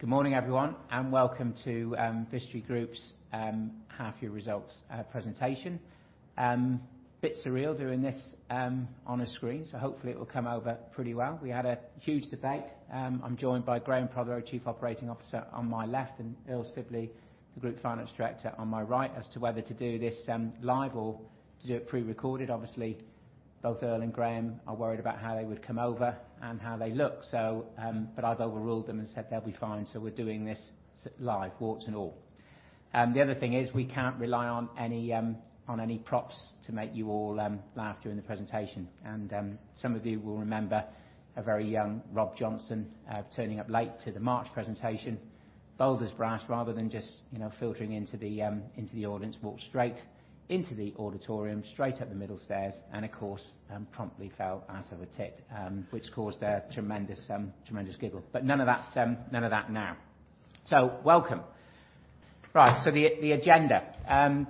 Good morning, everyone, welcome to Vistry Group's half year results presentation. Bit surreal doing this on a screen, so hopefully it will come over pretty well. We had a huge debate. I'm joined by Graham Prothero, Chief Operating Officer, on my left, and Earl Sibley, the Group Finance Director, on my right, as to whether to do this live or to do it pre-recorded. Obviously, both Earl and Graham are worried about how they would come over and how they look, but I've overruled them and said they'll be fine. We're doing this live, warts and all. The other thing is we can't rely on any props to make you all laugh during the presentation. Some of you will remember a very young Rob Johnson turning up late to the March presentation, bold as brass, rather than just filtering into the audience, walked straight into the auditorium, straight up the middle stairs, and of course, promptly fell ass over tit, which caused a tremendous giggle. None of that now. Welcome. Right. The agenda.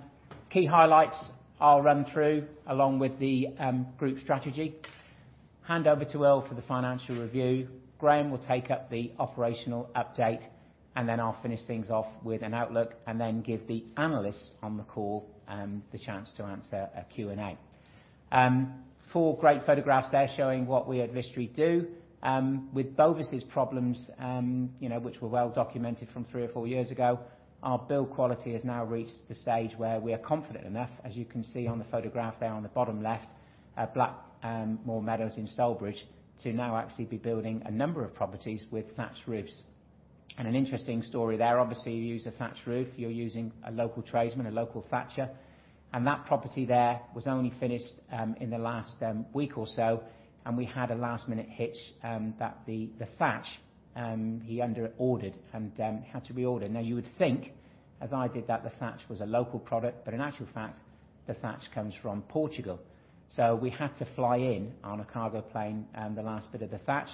Key highlights I'll run through along with the group strategy, hand over to Earl for the financial review. Graham will take up the operational update, and then I'll finish things off with an outlook and then give the analysts on the call the chance to answer a Q&A. Four great photographs there showing what we at Vistry do. With Bovis' problems, which were well documented from three or four years ago, our build quality has now reached the stage where we are confident enough, as you can see on the photograph there on the bottom left, Blackmore Meadows in Stourbridge, to now actually be building a number of properties with thatched roofs. An interesting story there, obviously, you use a thatched roof, you're using a local tradesman, a local thatcher. That property there was only finished in the last week or so, and we had a last-minute hitch, that the thatch, he under ordered and had to reorder. You would think, as I did, that the thatch was a local product, but in actual fact, the thatch comes from Portugal. We had to fly in on a cargo plane the last bit of the thatch.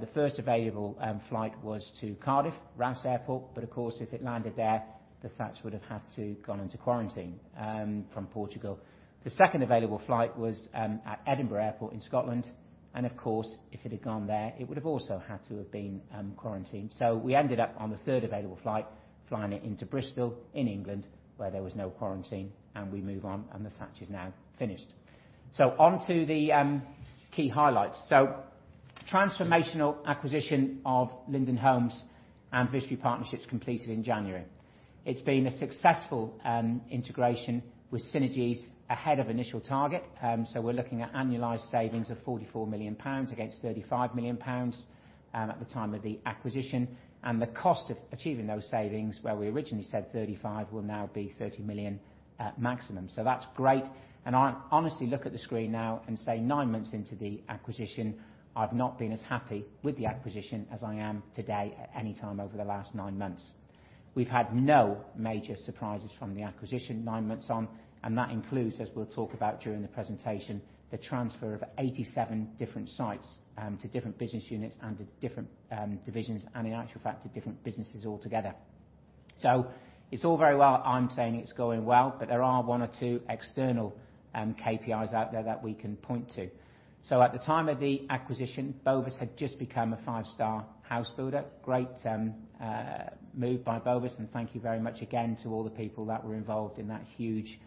The first available flight was to Cardiff Wales airport. Of course, if it landed there, the thatch would have had to gone into quarantine from Portugal. The second available flight was at Edinburgh Airport in Scotland, and of course, if it had gone there, it would have also had to have been quarantined. We ended up on the third available flight, flying it into Bristol in England, where there was no quarantine, and we move on and the thatch is now finished. Onto the key highlights. Transformational acquisition of Linden Homes and Vistry Partnerships completed in January. It's been a successful integration with synergies ahead of initial target. We're looking at annualized savings of GBP 44 million against GBP 35 million, at the time of the acquisition. The cost of achieving those savings, where we originally said 35 million will now be 30 million at maximum. That's great. I honestly look at the screen now and say nine months into the acquisition, I've not been as happy with the acquisition as I am today at any time over the last nine months. We've had no major surprises from the acquisition nine months on, and that includes, as we'll talk about during the presentation, the transfer of 87 different sites to different business units and to different divisions, and in actual fact, to different businesses altogether. It's all very well I'm saying it's going well, but there are one or two external KPIs out there that we can point to. At the time of the acquisition, Bovis had just become a five-star house builder. Great move by Bovis, and thank you very much again to all the people that were involved in that huge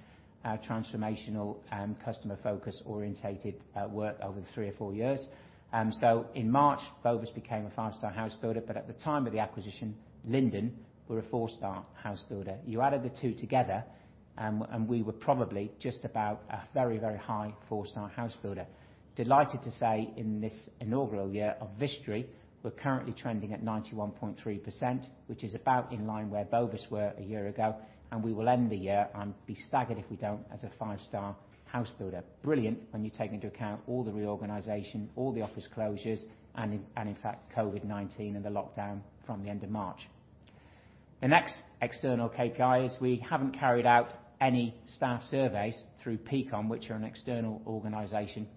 transformational customer focus orientated work over the three or four years. In March, Bovis Homes became a five-star house builder, but at the time of the acquisition, Linden Homes were a four-star house builder. You added the two together, and we were probably just about a very, very high four-star house builder. Delighted to say in this inaugural year of Vistry Group, we're currently trending at 91.3%, which is about in line where Bovis Homes were a year ago, and we will end the year, and be staggered if we don't, as a five-star house builder. Brilliant when you take into account all the reorganization, all the office closures, and in fact, COVID-19 and the lockdown from the end of March. The next external KPI is we haven't carried out any staff surveys through Peakon, which are an external organization,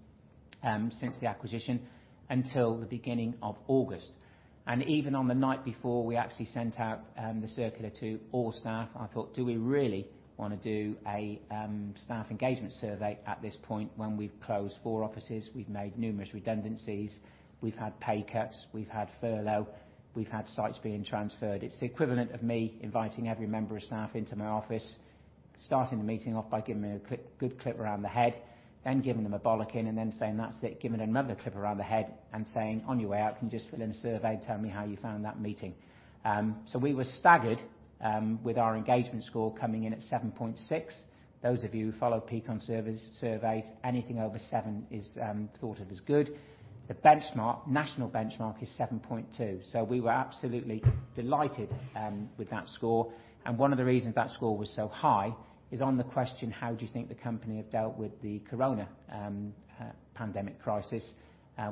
since the acquisition until the beginning of August. Even on the night before we actually sent out the circular to all staff, I thought, "Do we really want to do a staff engagement survey at this point when we've closed four offices, we've made numerous redundancies, we've had pay cuts, we've had furlough, we've had sites being transferred?" It's the equivalent of me inviting every member of staff into my office, starting the meeting off by giving me a good clip around the head, then giving them a bollocking and then saying, "That's it," giving another clip around the head and saying, "On your way out, can you just fill in a survey and tell me how you found that meeting?" We were staggered with our engagement score coming in at 7.6. Those of you who follow Peakon surveys, anything over seven is thought of as good. The national benchmark is 7.2, we were absolutely delighted with that score. One of the reasons that score was so high is on the question, how do you think the company have dealt with the corona pandemic crisis?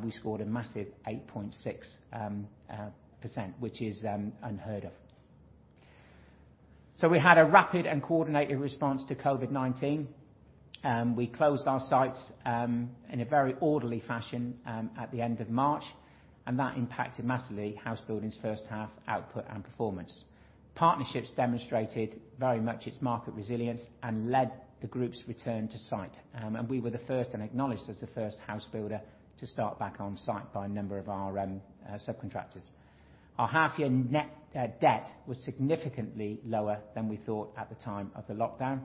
We scored a massive 8.6%, which is unheard of. We had a rapid and coordinated response to COVID-19. We closed our sites in a very orderly fashion at the end of March, and that impacted massively housebuilding's first half output and performance. Partnerships demonstrated very much its market resilience and led the group's return to site. We were the first, and acknowledged as the first housebuilder to start back on site by a number of our subcontractors. Our half year net debt was significantly lower than we thought at the time of the lockdown.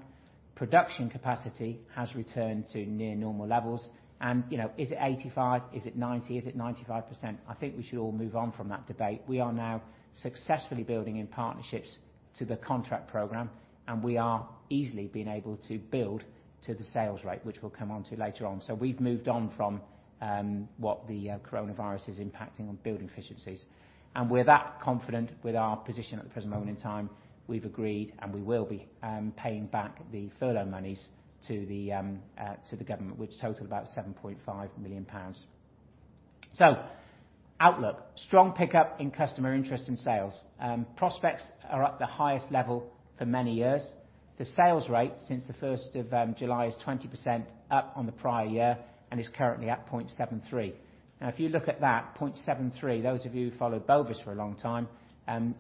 Production capacity has returned to near normal levels and, is it 85%? Is it 90%? Is it 95%? I think we should all move on from that debate. We are now successfully building in partnerships to the contract program, and we are easily being able to build to the sales rate, which we'll come onto later on. We've moved on from what the coronavirus is impacting on building efficiencies. We're that confident with our position at the present moment in time, we've agreed and we will be paying back the furlough monies to the government, which total about 7.5 million pounds. Outlook, strong pickup in customer interest and sales. Prospects are at the highest level for many years. The sales rate since the 1st of July is 20% up on the prior year and is currently at 0.73. If you look at that, 0.73, those of you who followed Bovis for a long time,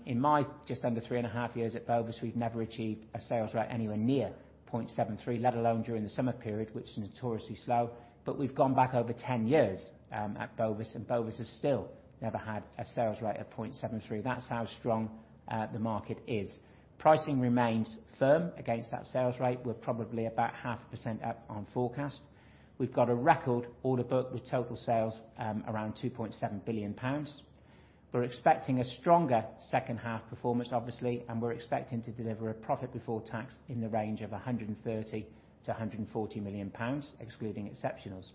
in my just under three and a half years at Bovis, we've never achieved a sales rate anywhere near 0.73, let alone during the summer period, which is notoriously slow. We've gone back over 10 years, at Bovis, and Bovis has still never had a sales rate of 0.73. That's how strong the market is. Pricing remains firm against that sales rate. We're probably about half percent up on forecast. We've got a record order book with total sales around 2.7 billion pounds. We're expecting a stronger second half performance, obviously, and we're expecting to deliver a profit before tax in the range of 130 million-140 million pounds, excluding exceptionals.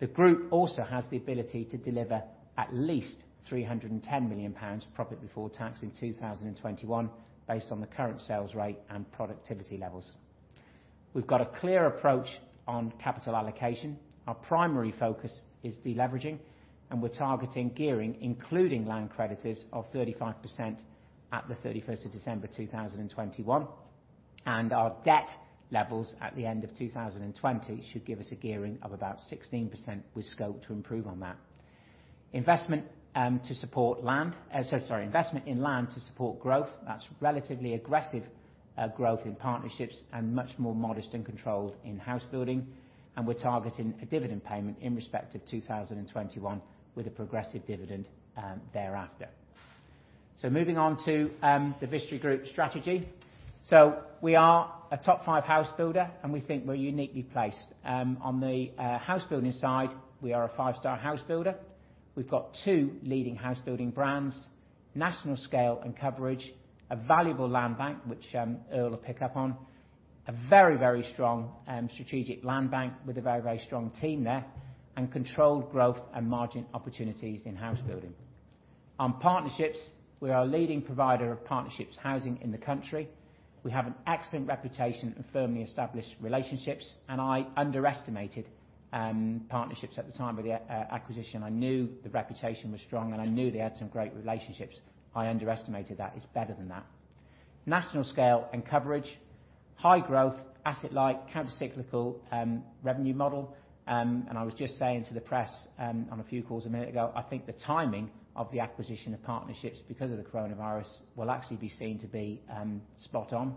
The group also has the ability to deliver at least 310 million pounds profit before tax in 2021 based on the current sales rate and productivity levels. We've got a clear approach on capital allocation. Our primary focus is deleveraging, we're targeting gearing, including land creditors, of 35% at the 31st of December 2021. Our debt levels at the end of 2020 should give us a gearing of about 16% with scope to improve on that. Investment in land to support growth, that's relatively aggressive growth in partnerships and much more modest and controlled in house building. We're targeting a dividend payment in respect of 2021 with a progressive dividend thereafter. Moving on to the Vistry Group strategy. We are a top five house builder, and we think we're uniquely placed. On the house building side, we are a five-star house builder. We've got two leading housebuilding brands, national scale and coverage, a valuable land bank, which Earl will pick up on, a very strong strategic land bank with a very strong team there, and controlled growth and margin opportunities in housebuilding. On Partnerships, we are a leading provider of Partnerships housing in the country. We have an excellent reputation and firmly established relationships. I underestimated Partnerships at the time of the acquisition. I knew the reputation was strong. I knew they had some great relationships. I underestimated that. It's better than that. National scale and coverage, high growth, asset light, counter-cyclical, revenue model. I was just saying to the press, on a few calls a minute ago, I think the timing of the acquisition of Partnerships, because of the coronavirus, will actually be seen to be spot on.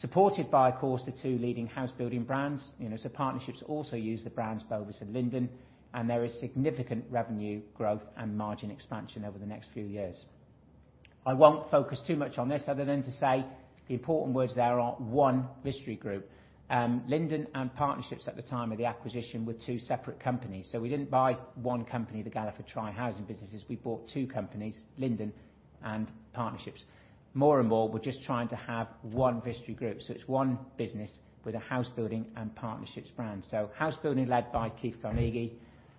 Supported by, of course, the two leading Housebuilding brands. Partnerships also use the brands Bovis and Linden, and there is significant revenue growth and margin expansion over the next few years. I won't focus too much on this other than to say the important words there are one Vistry Group. Linden and Partnerships at the time of the acquisition were two separate companies. We didn't buy one company, the Galliford Try housing businesses, we bought two companies, Linden and Partnerships. More and more, we're just trying to have one Vistry Group. It's one business with a Housebuilding and Partnerships brand. Housebuilding led by Keith Carnegie,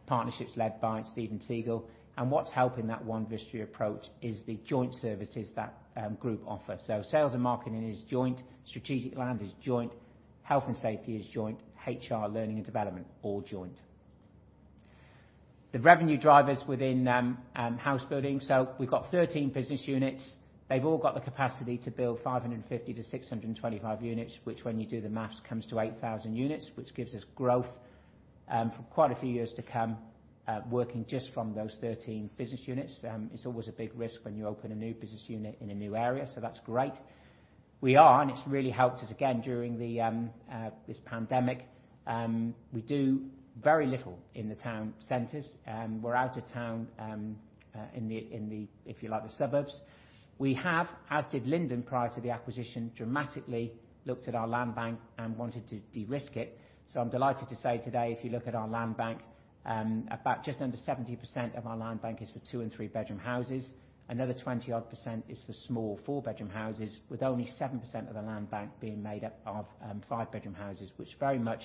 Partnerships led by Stephen Teagle. What's helping that one Vistry approach is the joint services that group offer. Sales and marketing is joint, strategic land is joint, health and safety is joint, HR, learning, and development, all joint. The revenue drivers within house building. We've got 13 business units. They've all got the capacity to build 550-625 units, which when you do the math, comes to 8,000 units, which gives us growth, for quite a few years to come, working just from those 13 business units. It's always a big risk when you open a new business unit in a new area, so that's great. We are, and it's really helped us again during this pandemic, we do very little in the town centers. We're out of town, in the, if you like, the suburbs. We have, as did Linden prior to the acquisition, dramatically looked at our land bank and wanted to de-risk it. I'm delighted to say today, if you look at our land bank, about just under 70% of our land bank is for two and three-bedroom houses. Another 20 odd percent is for small four-bedroom houses, with only 7% of the land bank being made up of five-bedroom houses, which very much,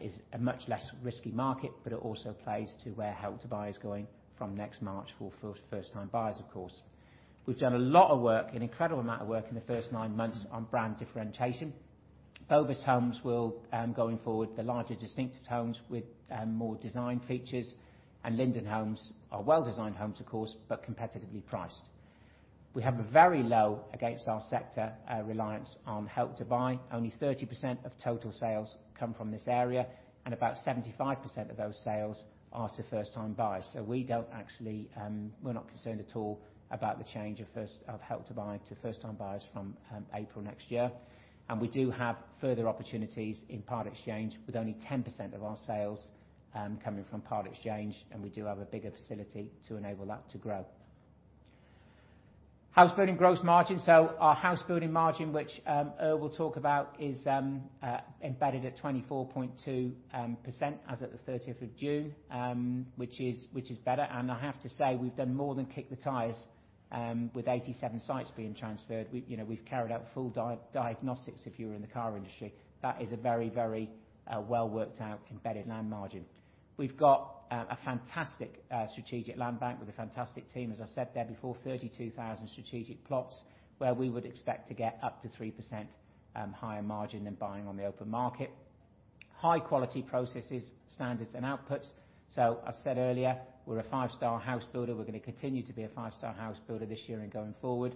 is a much less risky market, but it also plays to where Help to Buy is going from next March for first time buyers, of course. We've done a lot of work, an incredible amount of work in the first nine months on brand differentiation. Bovis Homes will, going forward, be larger, distinctive homes with more design features. Linden Homes are well-designed homes, of course, but competitively priced. We have a very low, against our sector, reliance on Help to Buy. Only 30% of total sales come from this area, and about 75% of those sales are to first-time buyers. We're not concerned at all about the change of Help to Buy to first-time buyers from April next year. We do have further opportunities in part exchange, with only 10% of our sales coming from part exchange, and we do have a bigger facility to enable that to grow. Housebuilding gross margin. Our housebuilding margin, which Earl will talk about, is embedded at 24.2% as of the 30th of June, which is better. I have to say, we've done more than kick the tires with 87 sites being transferred. We've carried out full diagnostics, if you were in the car industry. That is a very well worked out embedded land margin. We've got a fantastic strategic land bank with a fantastic team. As I've said there before, 32,000 strategic plots where we would expect to get up to 3% higher margin than buying on the open market. High quality processes, standards, and outputs. As I said earlier, we're a five-star house builder. We're going to continue to be a five-star house builder this year and going forward.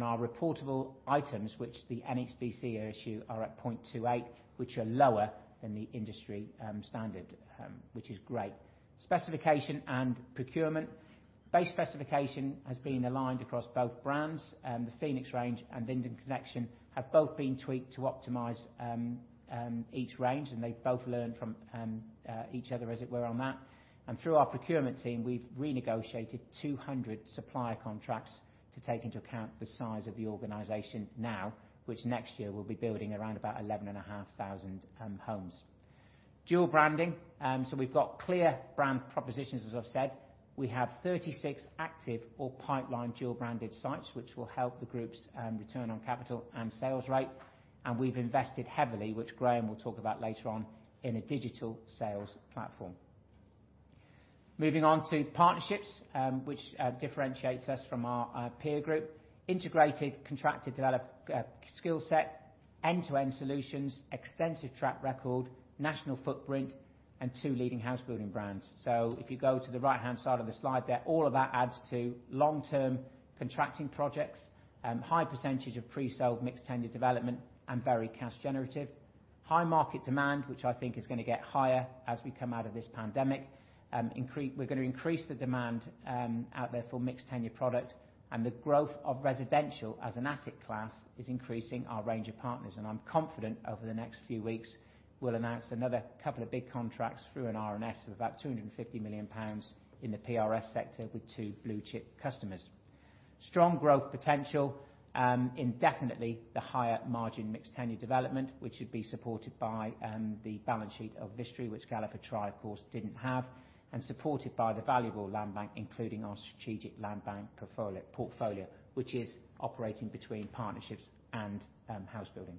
Our reportable items, which the NHBC issue, are at 0.28, which are lower than the industry standard, which is great. Specification and procurement. Base specification has been aligned across both brands. The Phoenix Range and Linden Collection have both been tweaked to optimize each range, and they've both learned from each other, as it were, on that. Through our procurement team, we've renegotiated 200 supplier contracts to take into account the size of the organization now, which next year will be building around about 11,500 homes. Dual branding. We've got clear brand propositions, as I've said. We have 36 active or pipeline dual-branded sites, which will help the group's return on capital and sales rate. We've invested heavily, which Graham will talk about later on, in a digital sales platform. Moving on to partnerships, which differentiates us from our peer group. Integrated contracted develop skill set, end-to-end solutions, extensive track record, national footprint, and two leading housebuilding brands. If you go to the right-hand side of the slide there, all of that adds to long-term contracting projects, high percentage of pre-sold mixed tenure development, and very cash generative. High market demand, which I think is going to get higher as we come out of this pandemic. We're going to increase the demand out there for mixed tenure product, and the growth of residential as an asset class is increasing our range of partners. I'm confident over the next few weeks, we'll announce another couple of big contracts through an RNS of about 250 million pounds in the PRS sector with two blue chip customers. Strong growth potential in definitely the higher margin mixed tenure development, which would be supported by the balance sheet of Vistry, which Galliford Try, of course, didn't have, and supported by the valuable land bank, including our strategic land bank portfolio, which is operating between partnerships and housebuilding.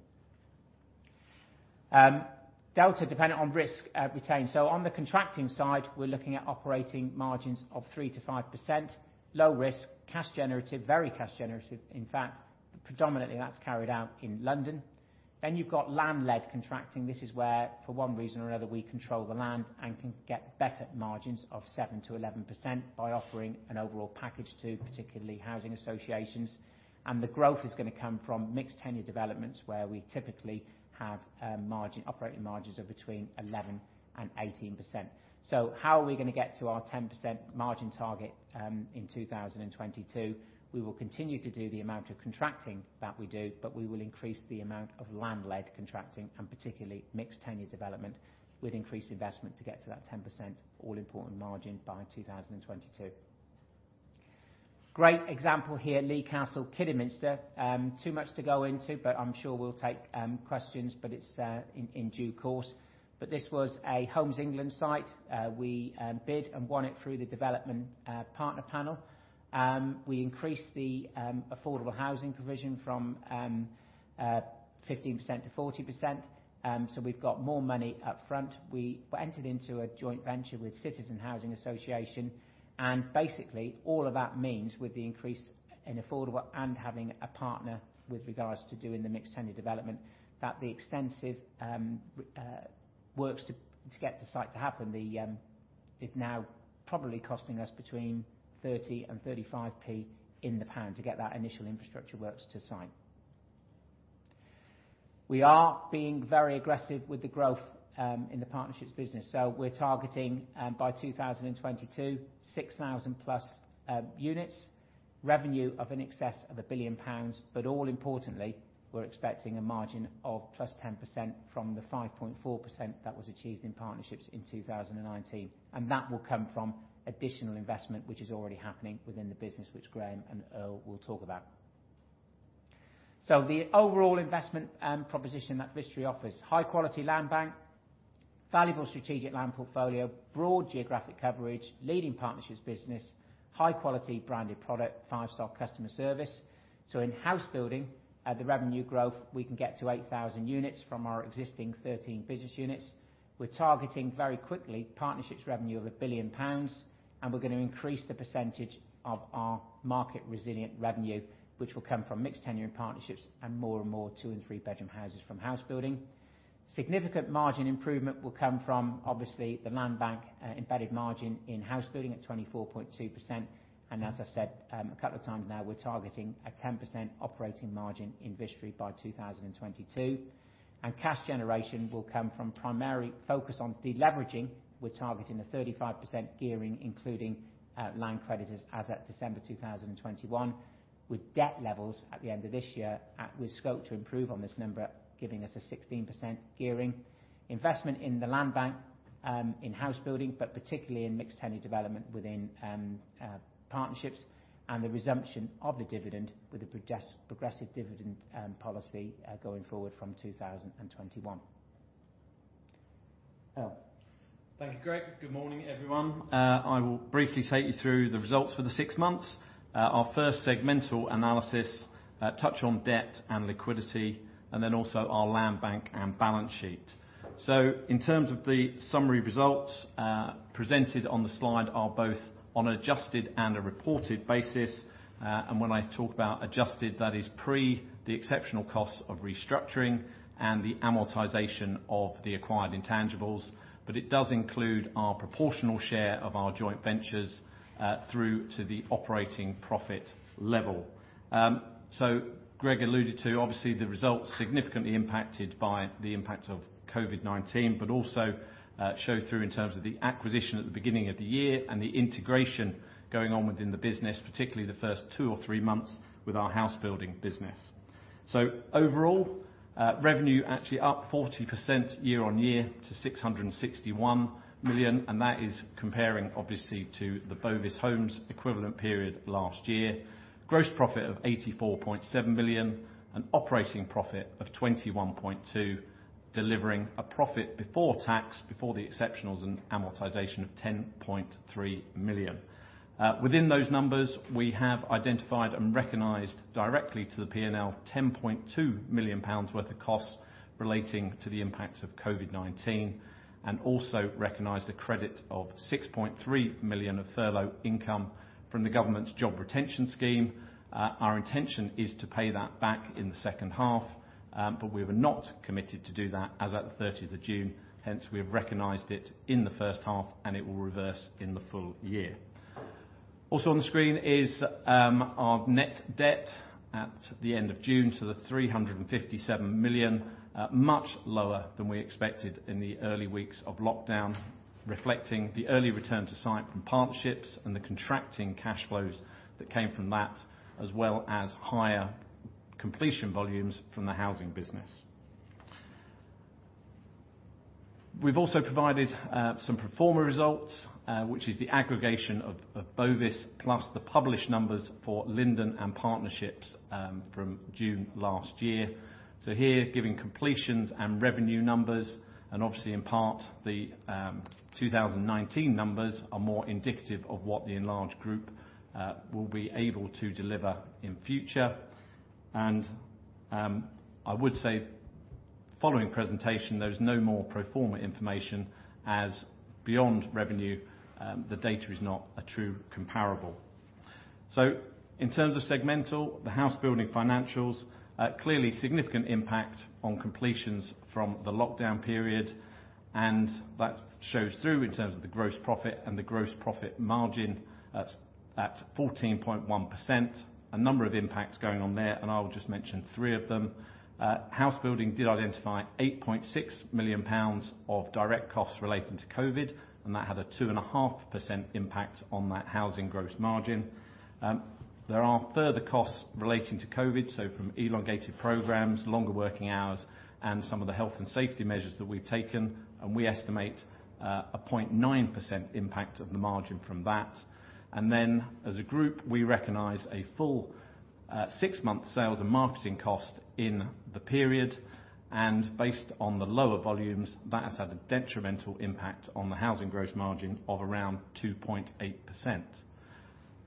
Delta dependent on risk retained. On the contracting side, we're looking at operating margins of 3%-5%. Low risk, very cash generative, in fact. Predominantly, that's carried out in London. You've got land-led contracting. This is where, for one reason or another, we control the land and can get better margins of 7%-11% by offering an overall package to particularly housing associations. The growth is going to come from mixed tenure developments, where we typically have operating margins of between 11% and 18%. How are we going to get to our 10% margin target in 2022? We will continue to do the amount of contracting that we do, but we will increase the amount of land-led contracting, and particularly mixed tenure development, with increased investment to get to that 10% all-important margin by 2022. Great example here, Lea Castle, Kidderminster. Too much to go into, but I'm sure we'll take questions, but it's in due course. This was a Homes England site. We bid and won it through the Development Partner Panel. We increased the affordable housing provision from 15%-40%. We've got more money up front. We entered into a joint venture with Citizen Housing Association. Basically, all of that means with the increase in affordable and having a partner with regards to doing the mixed tenure development, that the extensive works to get the site to happen is now probably costing us between 30p and 35p in the pound to get that initial infrastructure works to site. We are being very aggressive with the growth in the Partnerships business. We're targeting by 2022, 6,000+ units, revenue of in excess of 1 billion pounds, but all importantly, we're expecting a margin of +10% from the 5.4% that was achieved in Partnerships in 2019. That will come from additional investment, which is already happening within the business, which Graham and Earl will talk about. The overall investment proposition that Vistry offers, high quality land bank, valuable strategic land portfolio, broad geographic coverage, leading partnerships business, high quality branded product, five-star customer service. In housebuilding, at the revenue growth, we can get to 8,000 units from our existing 13 business units. We're targeting very quickly partnerships revenue of 1 billion pounds, and we're going to increase the percentage of our market resilient revenue, which will come from mixed tenure partnerships and more and more two and three bedroom houses from housebuilding. Significant margin improvement will come from, obviously, the land bank, embedded margin in housebuilding at 24.2%. As I said a couple of times now, we're targeting a 10% operating margin in Vistry by 2022. Cash generation will come from primary focus on de-leveraging. We're targeting a 35% gearing, including land credits, as at December 2021, with debt levels at the end of this year, with scope to improve on this number, giving us a 16% gearing. Investment in the land bank, in house building, but particularly in mixed-tenure development within partnerships, and the resumption of the dividend with a progressive dividend policy going forward from 2021. Earl. Thank you, Greg. Good morning, everyone. I will briefly take you through the results for the six months. Our first segmental analysis touch on debt and liquidity, then also our land bank and balance sheet. In terms of the summary results, presented on the slide are both on an adjusted and a reported basis. When I talk about adjusted, that is pre the exceptional costs of restructuring and the amortization of the acquired intangibles, but it does include our proportional share of our joint ventures through to the operating profit level. Greg alluded to, obviously, the results significantly impacted by the impact of COVID-19, but also show through in terms of the acquisition at the beginning of the year and the integration going on within the business, particularly the first two or three months with our housebuilding business. Overall, revenue actually up 40% year-over-year to 661 million, that is comparing, obviously, to the Bovis Homes equivalent period last year. Gross profit of 84.7 million, an operating profit of 21.2, delivering a profit before tax, before the exceptionals and amortization, of 10.3 million. Within those numbers, we have identified and recognized directly to the P&L 10.2 million pounds worth of costs relating to the impact of COVID-19, also recognized a credit of 6.3 million of furlough income from the government's Job Retention Scheme. Our intention is to pay that back in the second half, but we were not committed to do that as at the 30th of June, hence, we have recognized it in the first half and it will reverse in the full year. Also, on the screen is our net debt at the end of June to the 357 million. Much lower than we expected in the early weeks of lockdown, reflecting the early return to site from partnerships and the contracting cash flows that came from that, as well as higher completion volumes from the housing business. We've also provided some pro forma results, which is the aggregation of Bovis plus the published numbers for Linden and Partnerships from June last year. Here, giving completions and revenue numbers, and obviously in part the 2019 numbers are more indicative of what the enlarged group will be able to deliver in future. I would say following presentation, there is no more pro forma information, as beyond revenue, the data is not a true comparable. In terms of segmental, the house building financials, clearly significant impact on completions from the lockdown period, and that shows through in terms of the gross profit and the gross profit margin at 14.1%. A number of impacts going on there, and I will just mention three of them. House building did identify 8.6 million pounds of direct costs relating to COVID. That had a 2.5% impact on that housing gross margin. There are further costs relating to COVID, so from elongated programs, longer working hours, and some of the health and safety measures that we've taken. We estimate a 0.9% impact of the margin from that. Then as a group, we recognize a full six-month sales and marketing cost in the period. Based on the lower volumes, that has had a detrimental impact on the housing gross margin of around 2.8%.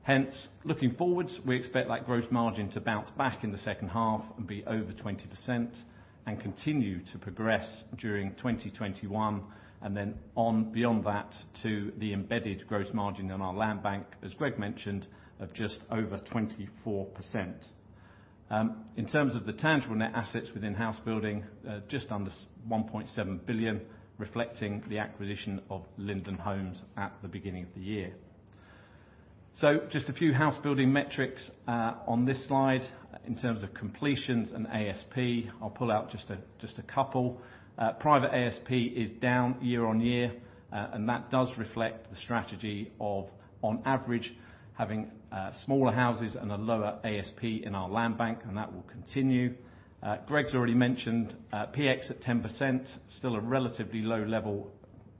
Hence, looking forwards, we expect that gross margin to bounce back in the second half and be over 20% and continue to progress during 2021, and then on beyond that to the embedded gross margin on our land bank, as Greg mentioned, of just over 24%. In terms of the tangible net assets within house building, just under 1.7 billion, reflecting the acquisition of Linden Homes at the beginning of the year. Just a few house building metrics, on this slide in terms of completions and ASP. I'll pull out just a couple. Private ASP is down year-on-year, and that does reflect the strategy of, on average, having smaller houses and a lower ASP in our land bank, and that will continue. Greg's already mentioned PX at 10%, still a relatively low level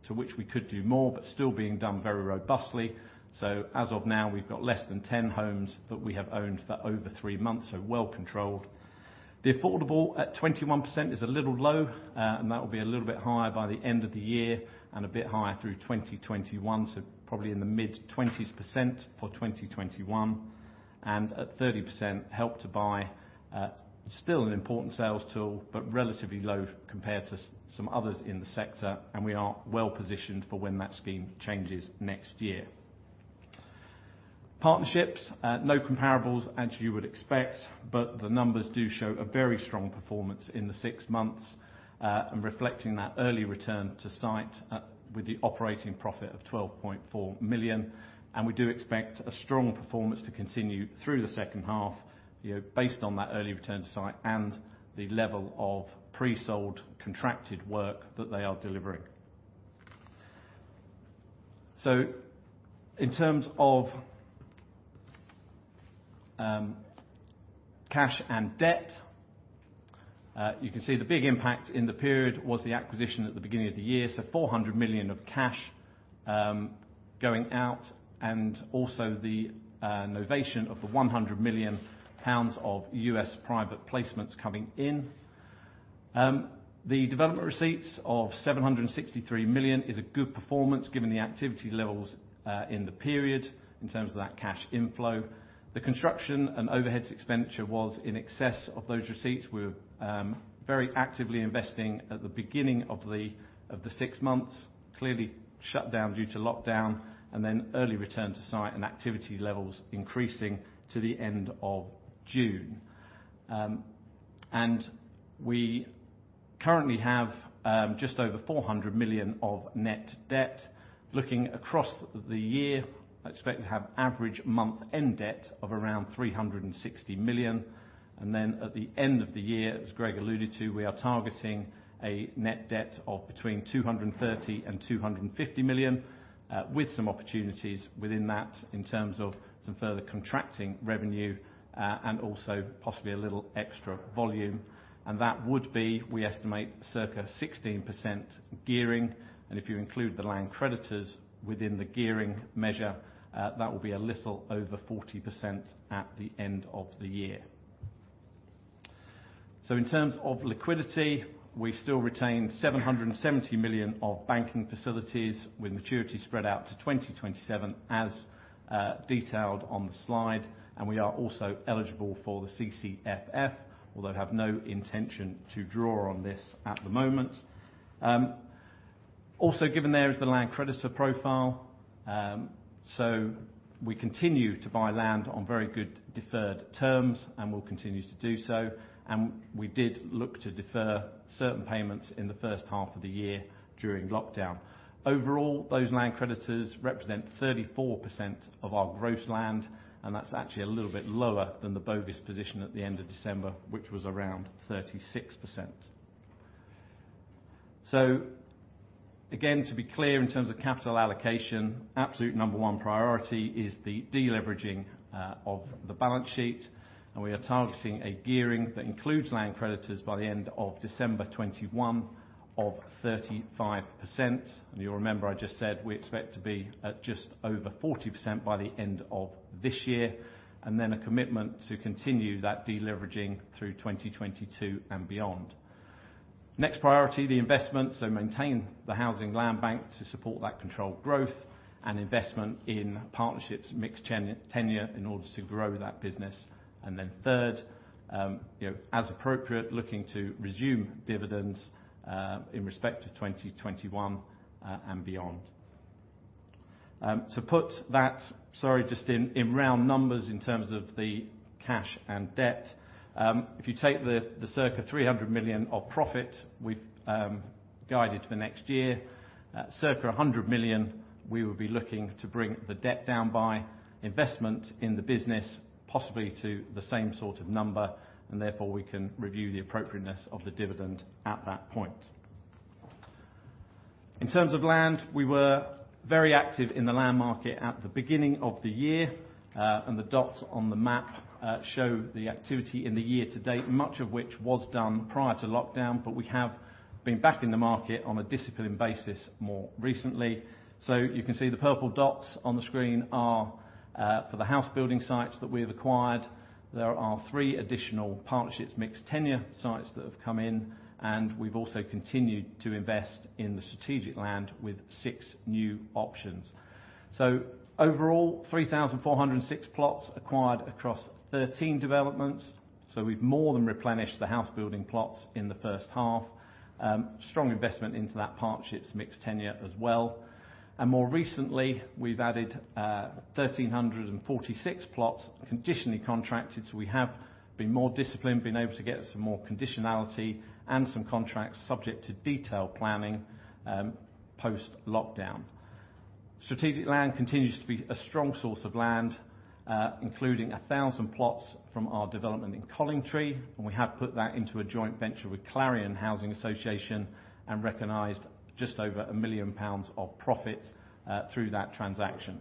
to which we could do more, but still being done very robustly. As of now, we've got less than 10 homes that we have owned for over three months, so well controlled. The affordable at 21% is a little low, and that will be a little bit higher by the end of the year and a bit higher through 2021, so probably in the mid-20% for 2021. At 30% Help to Buy, still an important sales tool, but relatively low compared to some others in the sector, and we are well positioned for when that scheme changes next year. Partnerships, no comparables as you would expect, but the numbers do show a very strong performance in the six months, and reflecting that early return to site with the operating profit of 12.4 million. We do expect a strong performance to continue through the second half based on that early return to site and the level of pre-sold contracted work that they are delivering. In terms of cash and debt, you can see the big impact in the period was the acquisition at the beginning of the year. 400 million of cash going out, and also the novation of the 100 million pounds of U.S. private placements coming in. The development receipts of 763 million is a good performance given the activity levels in the period in terms of that cash inflow. The construction and overheads expenditure was in excess of those receipts. We were very actively investing at the beginning of the six months, clearly shut down due to lockdown, and then early return to site and activity levels increasing to the end of June. We currently have just over 400 million of net debt. Looking across the year, I expect to have average month-end debt of around 360 million. At the end of the year, as Greg alluded to, we are targeting a net debt of between 230 million and 250 million, with some opportunities within that in terms of some further contracting revenue, and also possibly a little extra volume. That would be, we estimate, circa 16% gearing. If you include the land creditors within the gearing measure, that will be a little over 40% at the end of the year. In terms of liquidity, we still retain 770 million of banking facilities with maturity spread out to 2027 as detailed on the slide, and we are also eligible for the CCFF, although have no intention to draw on this at the moment. We continue to buy land on very good deferred terms and will continue to do so, and we did look to defer certain payments in the first half of the year during lockdown. Overall, those land creditors represent 34% of our gross land, and that's actually a little bit lower than the Bovis position at the end of December, which was around 36%. Again, to be clear in terms of capital allocation, absolute number 1 priority is the deleveraging of the balance sheet. We are targeting a gearing that includes land creditors by the end of December 2021 of 35%. You'll remember I just said we expect to be at just over 40% by the end of this year, and then a commitment to continue that deleveraging through 2022 and beyond. Next priority, the investment. Maintain the housing land bank to support that controlled growth and investment in partnerships, mixed tenure in order to grow that business. Then third, as appropriate, looking to resume dividends in respect to 2021 and beyond. To put that, sorry, just in round numbers in terms of the cash and debt. You take the circa 300 million of profit we've guided for next year. At circa 100 million, we will be looking to bring the debt down by investment in the business, possibly to the same sort of number, and therefore we can review the appropriateness of the dividend at that point. In terms of land, we were very active in the land market at the beginning of the year. The dots on the map show the activity in the year to date, much of which was done prior to lockdown, but we have been back in the market on a disciplined basis more recently. You can see the purple dots on the screen are for the house building sites that we have acquired. There are three additional partnerships, mixed tenure sites that have come in, and we've also continued to invest in the strategic land with six new options. Overall, 3,406 plots acquired across 13 developments. We've more than replenished the house building plots in the first half. Strong investment into that partnerships mixed tenure as well. More recently, we've added 1,346 plots conditionally contracted. We have been more disciplined, been able to get some more conditionality and some contracts subject to detailed planning post-lockdown. Strategic land continues to be a strong source of land, including 1,000 plots from our development in Collingtree. We have put that into a joint venture with Clarion Housing Association and recognized just over 1 million pounds of profit through that transaction.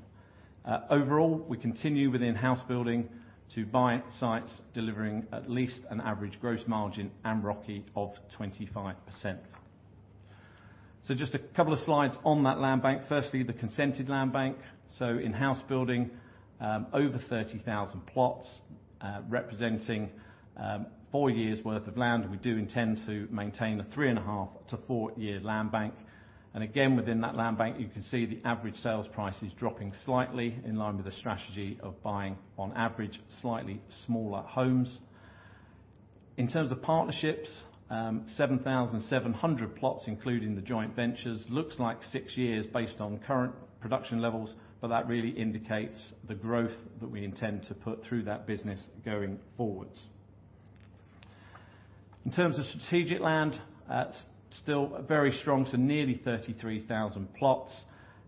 Overall, we continue within housebuilding to buy sites delivering at least an average gross margin and ROCE of 25%. Just a couple of slides on that land bank. Firstly, the consented land bank. In housebuilding, over 30,000 plots, representing four years' worth of land. We do intend to maintain a three and a half to four-year land bank. Again, within that land bank, you can see the average sales price is dropping slightly in line with the strategy of buying on average slightly smaller homes. In terms of Partnerships, 7,700 plots, including the joint ventures, looks like six years based on current production levels. That really indicates the growth that we intend to put through that business going forward. In terms of strategic land, it is still very strong to nearly 33,000 plots.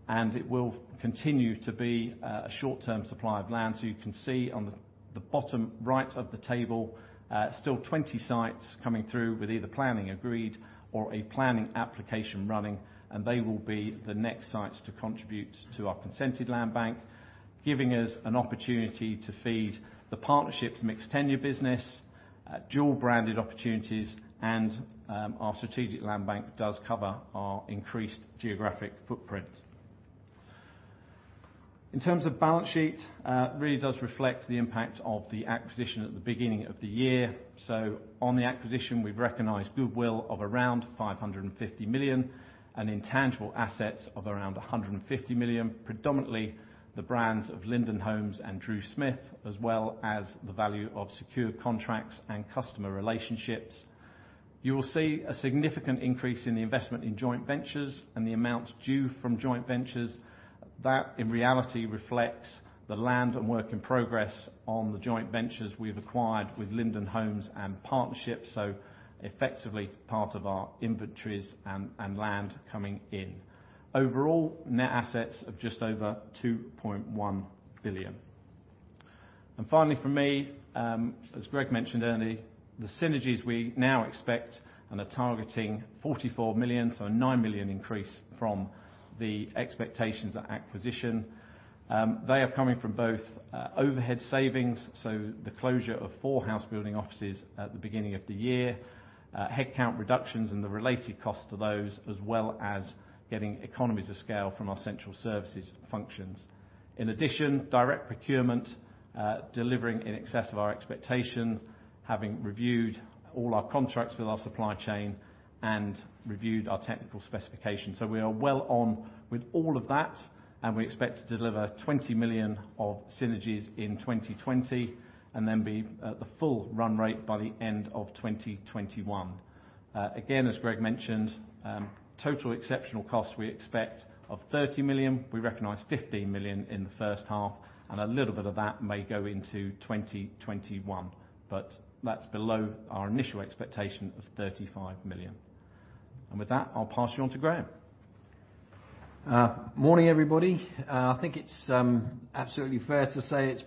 It will continue to be a short-term supply of land. You can see on the bottom right of the table, still 20 sites coming through with either planning agreed or a planning application running, and they will be the next sites to contribute to our consented land bank, giving us an opportunity to feed the Partnerships mixed tenure business, dual branded opportunities. Our strategic land bank does cover our increased geographic footprint. In terms of balance sheet, really does reflect the impact of the acquisition at the beginning of the year. On the acquisition, we've recognized goodwill of around 550 million and intangible assets of around 150 million, predominantly the brands of Linden Homes and Drew Smith, as well as the value of secure contracts and customer relationships. You will see a significant increase in the investment in joint ventures and the amount due from joint ventures. That, in reality, reflects the land and work in progress on the joint ventures we've acquired with Linden Homes and partnerships, so effectively part of our inventories and land coming in. Overall, net assets of just over 2.1 billion. Finally from me, as Greg mentioned earlier, the synergies we now expect and are targeting 44 million, so a 9 million increase from the expectations at acquisition. They are coming from both overhead savings, so the closure of four house building offices at the beginning of the year, headcount reductions and the related cost to those, as well as getting economies of scale from our central services functions. In addition, direct procurement, delivering in excess of our expectation, having reviewed all our contracts with our supply chain, and reviewed our technical specifications. We are well on with all of that, and we expect to deliver 20 million of synergies in 2020, and then be at the full run rate by the end of 2021. Again, as Greg mentioned, total exceptional costs we expect of 30 million. We recognized 15 million in the first half, and a little bit of that may go into 2021. But that's below our initial expectation of 35 million. With that, I'll pass you on to Graham. Morning, everybody. I think it's absolutely fair to say it's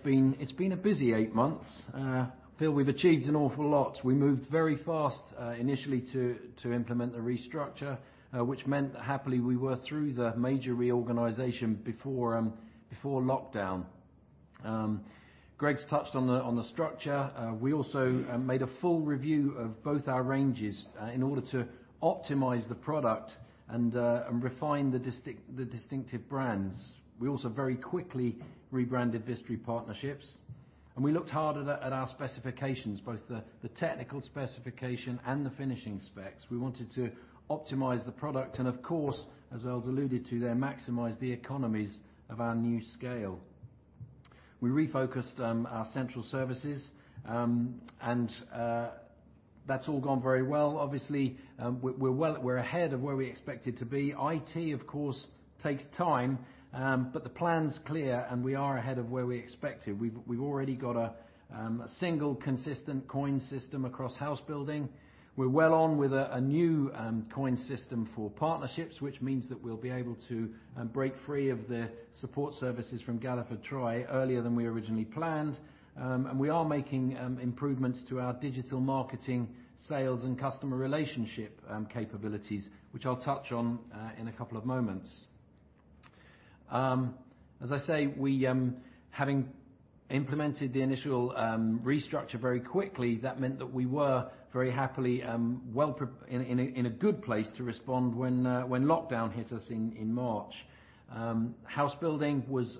been a busy eight months. I feel we've achieved an awful lot. We moved very fast initially to implement the restructure, which meant happily we were through the major reorganization before lockdown. Greg's touched on the structure. We also made a full review of both our ranges in order to optimize the product and refine the distinctive brands. We also very quickly rebranded Vistry Partnerships, and we looked hard at our specifications, both the technical specification and the finishing specs. We wanted to optimize the product and of course, as Earl's alluded to there, maximize the economies of our new scale. We refocused our central services, and that's all gone very well. Obviously, we're ahead of where we expected to be. IT, of course, takes time, but the plan's clear, and we are ahead of where we expected. We've already got a single consistent COINS system across housebuilding. We're well on with a new COINS system for Partnerships, which means that we'll be able to break free of the support services from Galliford Try earlier than we originally planned. We are making improvements to our digital marketing, sales, and customer relationship capabilities, which I'll touch on in a couple of moments. As I say, having implemented the initial restructure very quickly, that meant that we were very happily in a good place to respond when lockdown hit us in March. Housebuilding was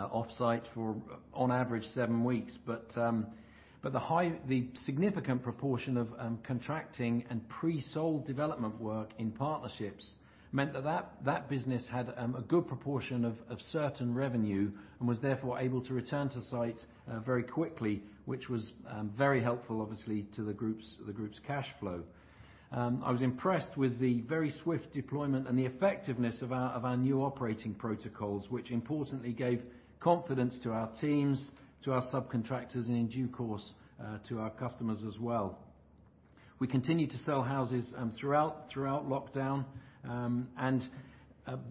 off-site for on average, seven weeks. The significant proportion of contracting and pre-sold development work in Partnerships meant that business had a good proportion of certain revenue and was therefore able to return to site very quickly, which was very helpful, obviously, to the group's cash flow. I was impressed with the very swift deployment and the effectiveness of our new operating protocols, which importantly gave confidence to our teams, to our subcontractors, and in due course, to our customers as well. We continued to sell houses throughout lockdown.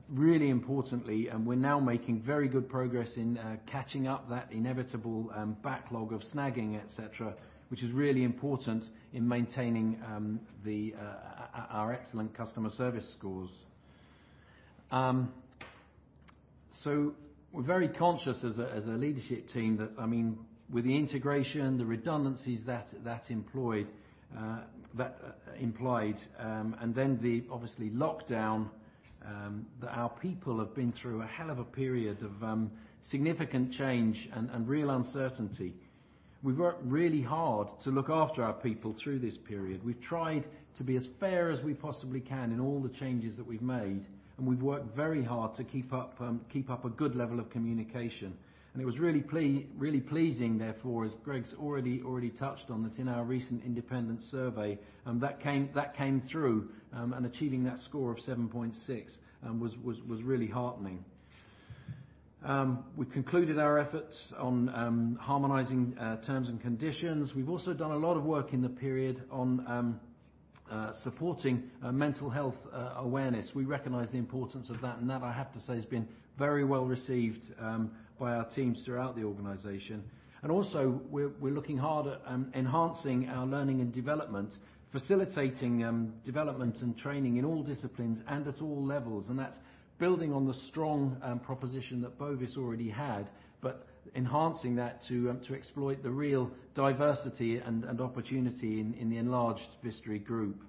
Really importantly, we're now making very good progress in catching up that inevitable backlog of snagging, et cetera, which is really important in maintaining our excellent customer service scores. We're very conscious as a leadership team that, I mean, with the integration, the redundancies that implied, and then obviously lockdownThat our people have been through a hell of a period of significant change and real uncertainty. We've worked really hard to look after our people through this period. We've tried to be as fair as we possibly can in all the changes that we've made, and we've worked very hard to keep up a good level of communication. It was really pleasing, therefore, as Greg's already touched on, that in our recent independent survey, that came through, and achieving that score of 7.6 was really heartening. We concluded our efforts on harmonizing terms and conditions. We've also done a lot of work in the period on supporting mental health awareness. We recognize the importance of that, and that, I have to say, has been very well received by our teams throughout the organization. Also, we're looking hard at enhancing our learning and development, facilitating development and training in all disciplines and at all levels. That's building on the strong proposition that Bovis already had, but enhancing that to exploit the real diversity and opportunity in the enlarged Vistry Group.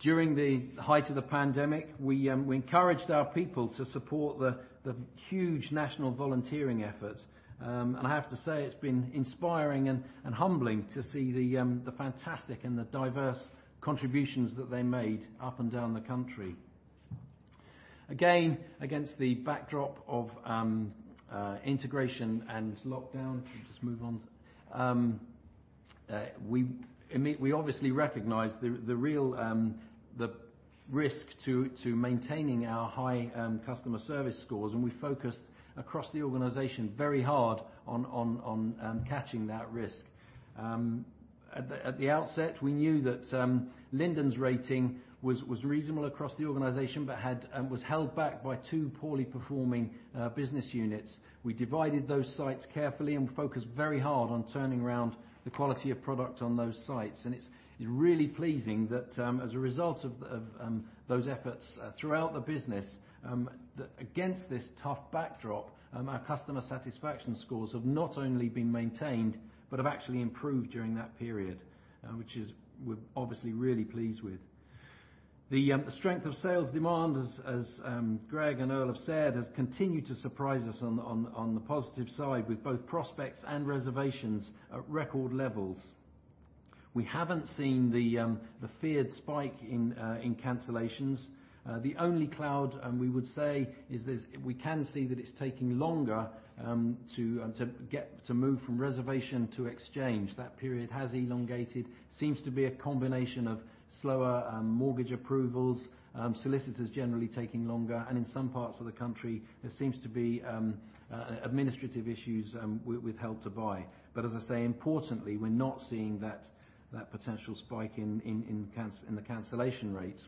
During the height of the pandemic, we encouraged our people to support the huge national volunteering effort. I have to say, it's been inspiring and humbling to see the fantastic and the diverse contributions that they made up and down the country. Again, against the backdrop of integration and lockdown. Can you just move on? We obviously recognize the risk to maintaining our high customer service scores, and we focused across the organization very hard on catching that risk. At the outset, we knew that Linden's rating was reasonable across the organization, but was held back by two poorly performing business units. We divided those sites carefully and focused very hard on turning around the quality of product on those sites. It's really pleasing that, as a result of those efforts throughout the business, that against this tough backdrop, our customer satisfaction scores have not only been maintained, but have actually improved during that period, which we're obviously really pleased with. The strength of sales demand, as Greg and Earl have said, has continued to surprise us on the positive side, with both prospects and reservations at record levels. We haven't seen the feared spike in cancellations. The only cloud we would say is we can see that it's taking longer to move from reservation to exchange. That period has elongated. Seems to be a combination of slower mortgage approvals, solicitors generally taking longer, and in some parts of the country there seems to be administrative issues with Help to Buy. As I say, importantly, we're not seeing that potential spike in the cancellation rates.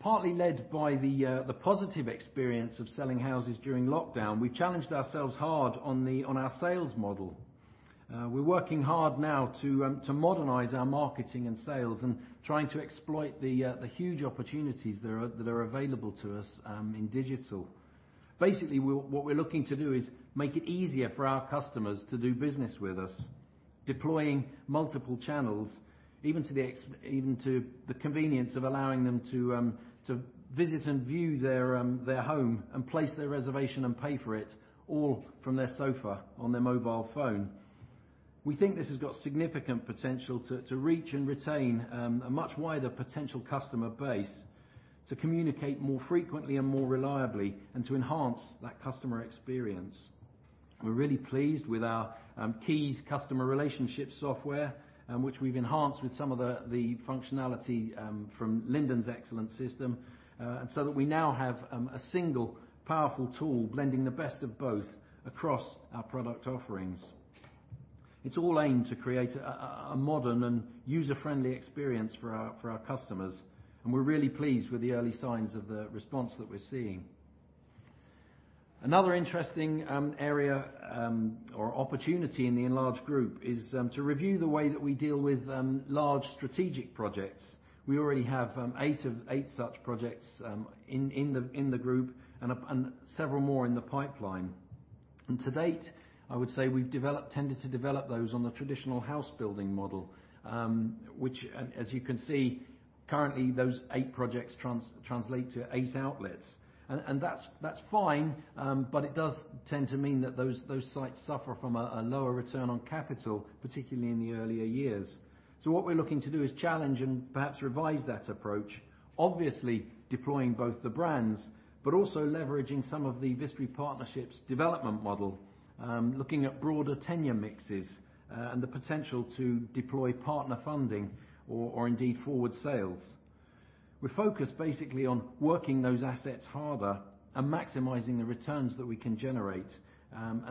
Partly led by the positive experience of selling houses during lockdown, we challenged ourselves hard on our sales model. We're working hard now to modernize our marketing and sales and trying to exploit the huge opportunities that are available to us in digital. Basically, what we're looking to do is make it easier for our customers to do business with us, deploying multiple channels, even to the convenience of allowing them to visit and view their home and place their reservation and pay for it, all from their sofa on their mobile phone. We think this has got significant potential to reach and retain a much wider potential customer base, to communicate more frequently and more reliably, and to enhance that customer experience. We're really pleased with our Keys customer relationship software, which we've enhanced with some of the functionality from Linden's excellent system, so that we now have a single powerful tool blending the best of both across our product offerings. It's all aimed to create a modern and user-friendly experience for our customers, and we're really pleased with the early signs of the response that we're seeing. Another interesting area or opportunity in the enlarged group is to review the way that we deal with large strategic projects. We already have eight such projects in the group and several more in the pipeline. To date, I would say we've tended to develop those on the traditional house building model, which as you can see, currently those eight projects translate to eight outlets. That's fine, but it does tend to mean that those sites suffer from a lower return on capital, particularly in the earlier years. What we're looking to do is challenge and perhaps revise that approach, obviously deploying both the brands, but also leveraging some of the Vistry Partnerships' development model, looking at broader tenure mixes, and the potential to deploy partner funding or indeed forward sales. We focus basically on working those assets harder and maximizing the returns that we can generate.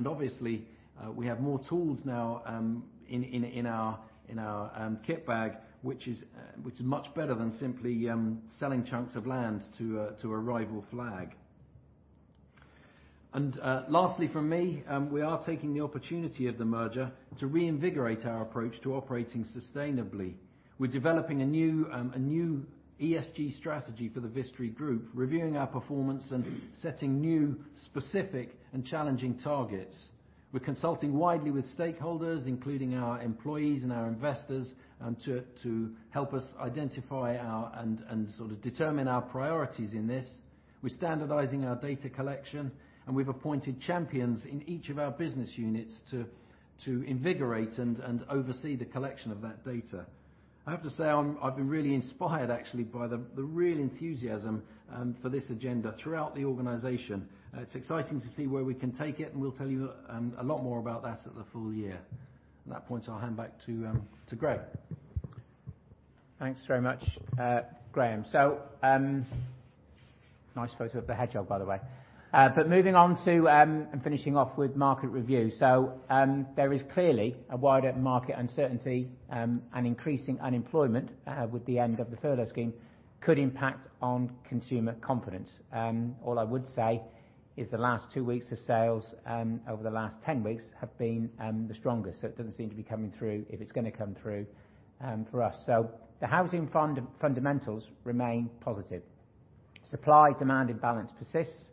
Obviously, we have more tools now in our kit bag, which is much better than simply selling chunks of land to a rival flag. Lastly from me, we are taking the opportunity of the merger to reinvigorate our approach to operating sustainably. We're developing a new ESG strategy for the Vistry Group, reviewing our performance and setting new specific and challenging targets. We're consulting widely with stakeholders, including our employees and our investors, to help us identify and determine our priorities in this. We're standardizing our data collection, and we've appointed champions in each of our business units to invigorate and oversee the collection of that data. I have to say, I've been really inspired, actually, by the real enthusiasm for this agenda throughout the organization. It's exciting to see where we can take it, and we'll tell you a lot more about that at the full year. At that point, I'll hand back to Greg Thanks very much, Graham. Nice photo of the hedgehog, by the way. Moving on to and finishing off with market review. There is clearly a wider market uncertainty, and increasing unemployment with the end of the furlough scheme could impact on consumer confidence. All I would say is the last two weeks of sales over the last 10 weeks have been the strongest. It doesn't seem to be coming through, if it's going to come through for us. The housing fundamentals remain positive. Supply-demand imbalance persists.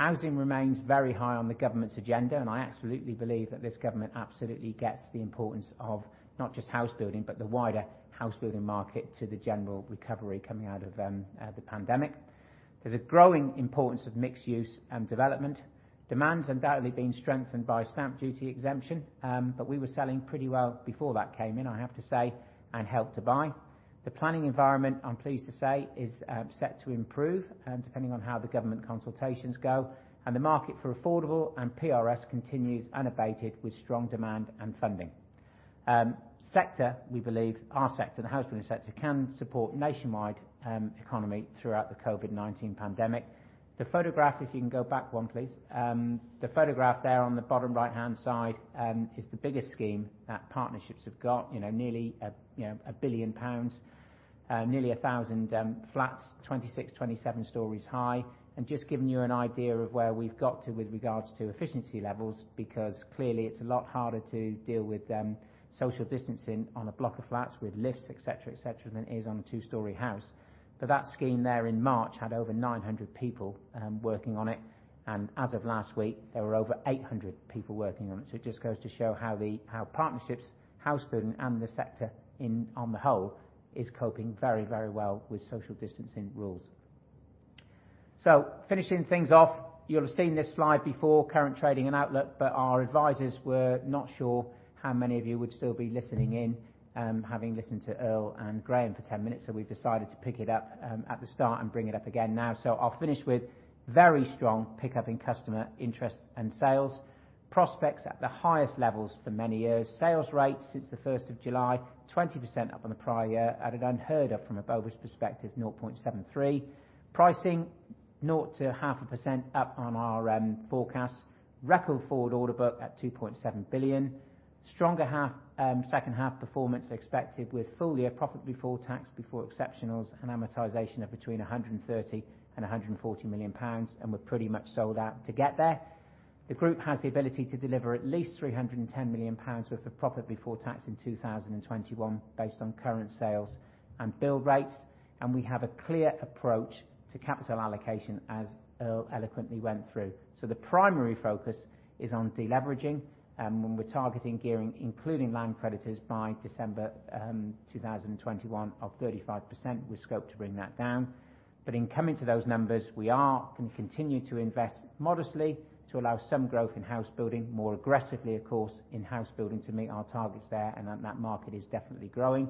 Housing remains very high on the government's agenda, and I absolutely believe that this government absolutely gets the importance of not just house building, but the wider house building market to the general recovery coming out of the pandemic. There's a growing importance of mixed-use development. Demand's undoubtedly been strengthened by Stamp Duty exemption, but we were selling pretty well before that came in, I have to say, and Help to Buy. The planning environment, I'm pleased to say, is set to improve, depending on how the government consultations go, and the market for affordable and PRS continues unabated with strong demand and funding. Sector, we believe our sector, the house building sector, can support nationwide economy throughout the COVID-19 pandemic. The photograph, if you can go back one, please. The photograph there on the bottom right-hand side is the biggest scheme that Partnerships have got. Nearly 1 billion pounds, nearly 1,000 flats, 26, 27 stories high. Just giving you an idea of where we've got to with regards to efficiency levels, because clearly it's a lot harder to deal with social distancing on a block of flats with lifts, et cetera, et cetera, than it is on a two-story house. That scheme there in March had over 900 people working on it. As of last week, there were over 800 people working on it. It just goes to show how partnerships, house building, and the sector on the whole is coping very well with social distancing rules. Finishing things off. You'll have seen this slide before, current trading and outlook, our advisors were not sure how many of you would still be listening in, having listened to Earl and Graham for 10 minutes. We've decided to pick it up at the start and bring it up again now. I'll finish with very strong pickup in customer interest and sales. Prospects at the highest levels for many years. Sales rates since the 1st of July, 20% up on the prior year at an unheard of, from a Bovis perspective, 0.73. Pricing, naught to half a percent up on our forecasts. Record forward order book at 2.7 billion. Stronger second half performance expected with full year profit before tax, before exceptionals and amortization of between 130 million and 140 million pounds, and we're pretty much sold out to get there. The group has the ability to deliver at least 310 million pounds worth of profit before tax in 2021, based on current sales and build rates. We have a clear approach to capital allocation, as Earl eloquently went through. The primary focus is on de-leveraging, and we're targeting gearing, including land creditors by December 2021 of 35% with scope to bring that down. In coming to those numbers, we are going to continue to invest modestly to allow some growth in house building more aggressively, of course, in house building to meet our targets there, and that market is definitely growing.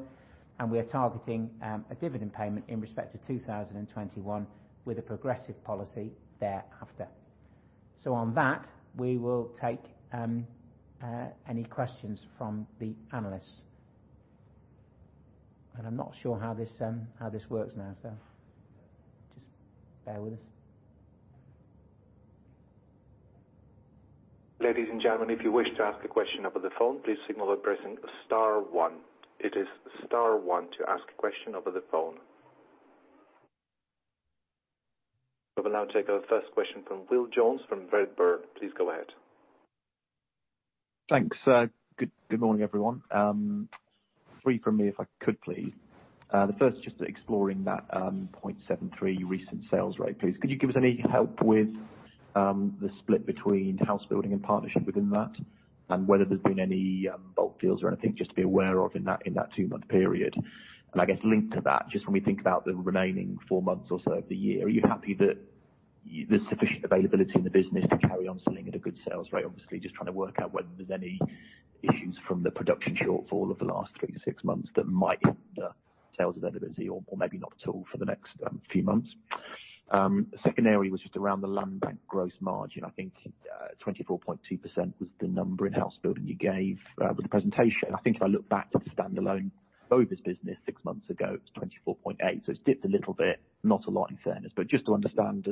We are targeting a dividend payment in respect to 2021 with a progressive policy thereafter. On that, we will take any questions from the analysts. I'm not sure how this works now, so just bear with us. Ladies and gentlemen, if you wish to ask a question over the phone, please signal by pressing star one. It is star one to ask a question over the phone. We will now take our first question from Will Jones from Redburn. Please go ahead. Thanks. Good morning, everyone. Three from me, if I could, please. The first just exploring that 0.73 recent sales rate, please. Could you give us any help with the split between house building and partnership within that? Whether there's been any bulk deals or anything just to be aware of in that two-month period. I guess linked to that, just when we think about the remaining four months or so of the year, are you happy that there's sufficient availability in the business to carry on selling at a good sales rate? Obviously, just trying to work out whether there's any issues from the production shortfall of the last three to six months that might impact sales availability or maybe not at all for the next few months. Secondary was just around the land bank gross margin. I think 24.2% was the number in house building you gave with the presentation. I think if I look back to the standalone Bovis business six months ago, it was 24.8%. It's dipped a little bit, not a lot in fairness. Just to understand,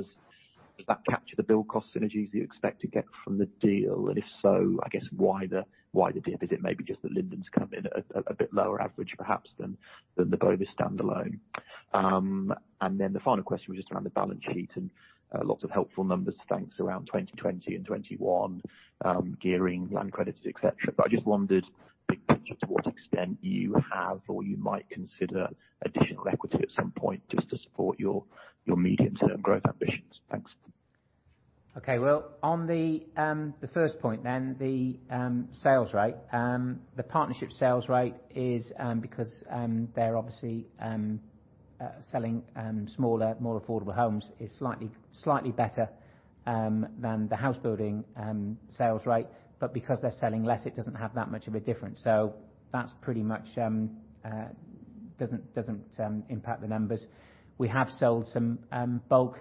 does that capture the build cost synergies you expect to get from the deal? If so, I guess why the dip? Is it maybe just that Linden come in at a bit lower average perhaps than the Bovis standalone. The final question was just around the balance sheet and lots of helpful numbers, thanks, around 2020 and 2021, gearing, land credits, et cetera. I just wondered extent you have, or you might consider additional equity at some point just to support your medium-term growth ambitions. Thanks. On the first point then, the sales rate. The partnership sales rate is because they are obviously selling smaller, more affordable homes is slightly better than the house building sales rate. Because they are selling less, it does not have that much of a difference. That pretty much does not impact the numbers. We have sold some bulk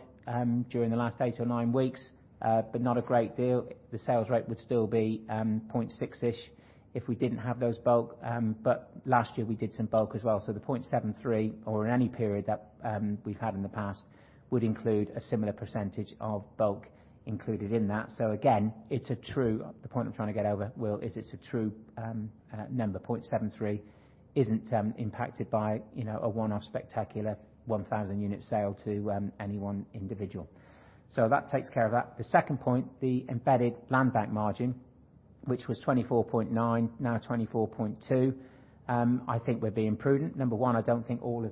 during the last eight or nine weeks, but not a great deal. The sales rate would still be 0.6-ish if we did not have those bulk. Last year, we did some bulk as well. The 0.73 or in any period that we have had in the past, would include a similar percentage of bulk included in that. Again, the point I am trying to get over, Will, is it is a true number. 0.73 isn't impacted by a one-off spectacular 1,000 unit sale to any one individual. That takes care of that. The second point, the embedded land bank margin, which was 24.9%, now 24.2%. I think we're being prudent. Number one, I don't think all the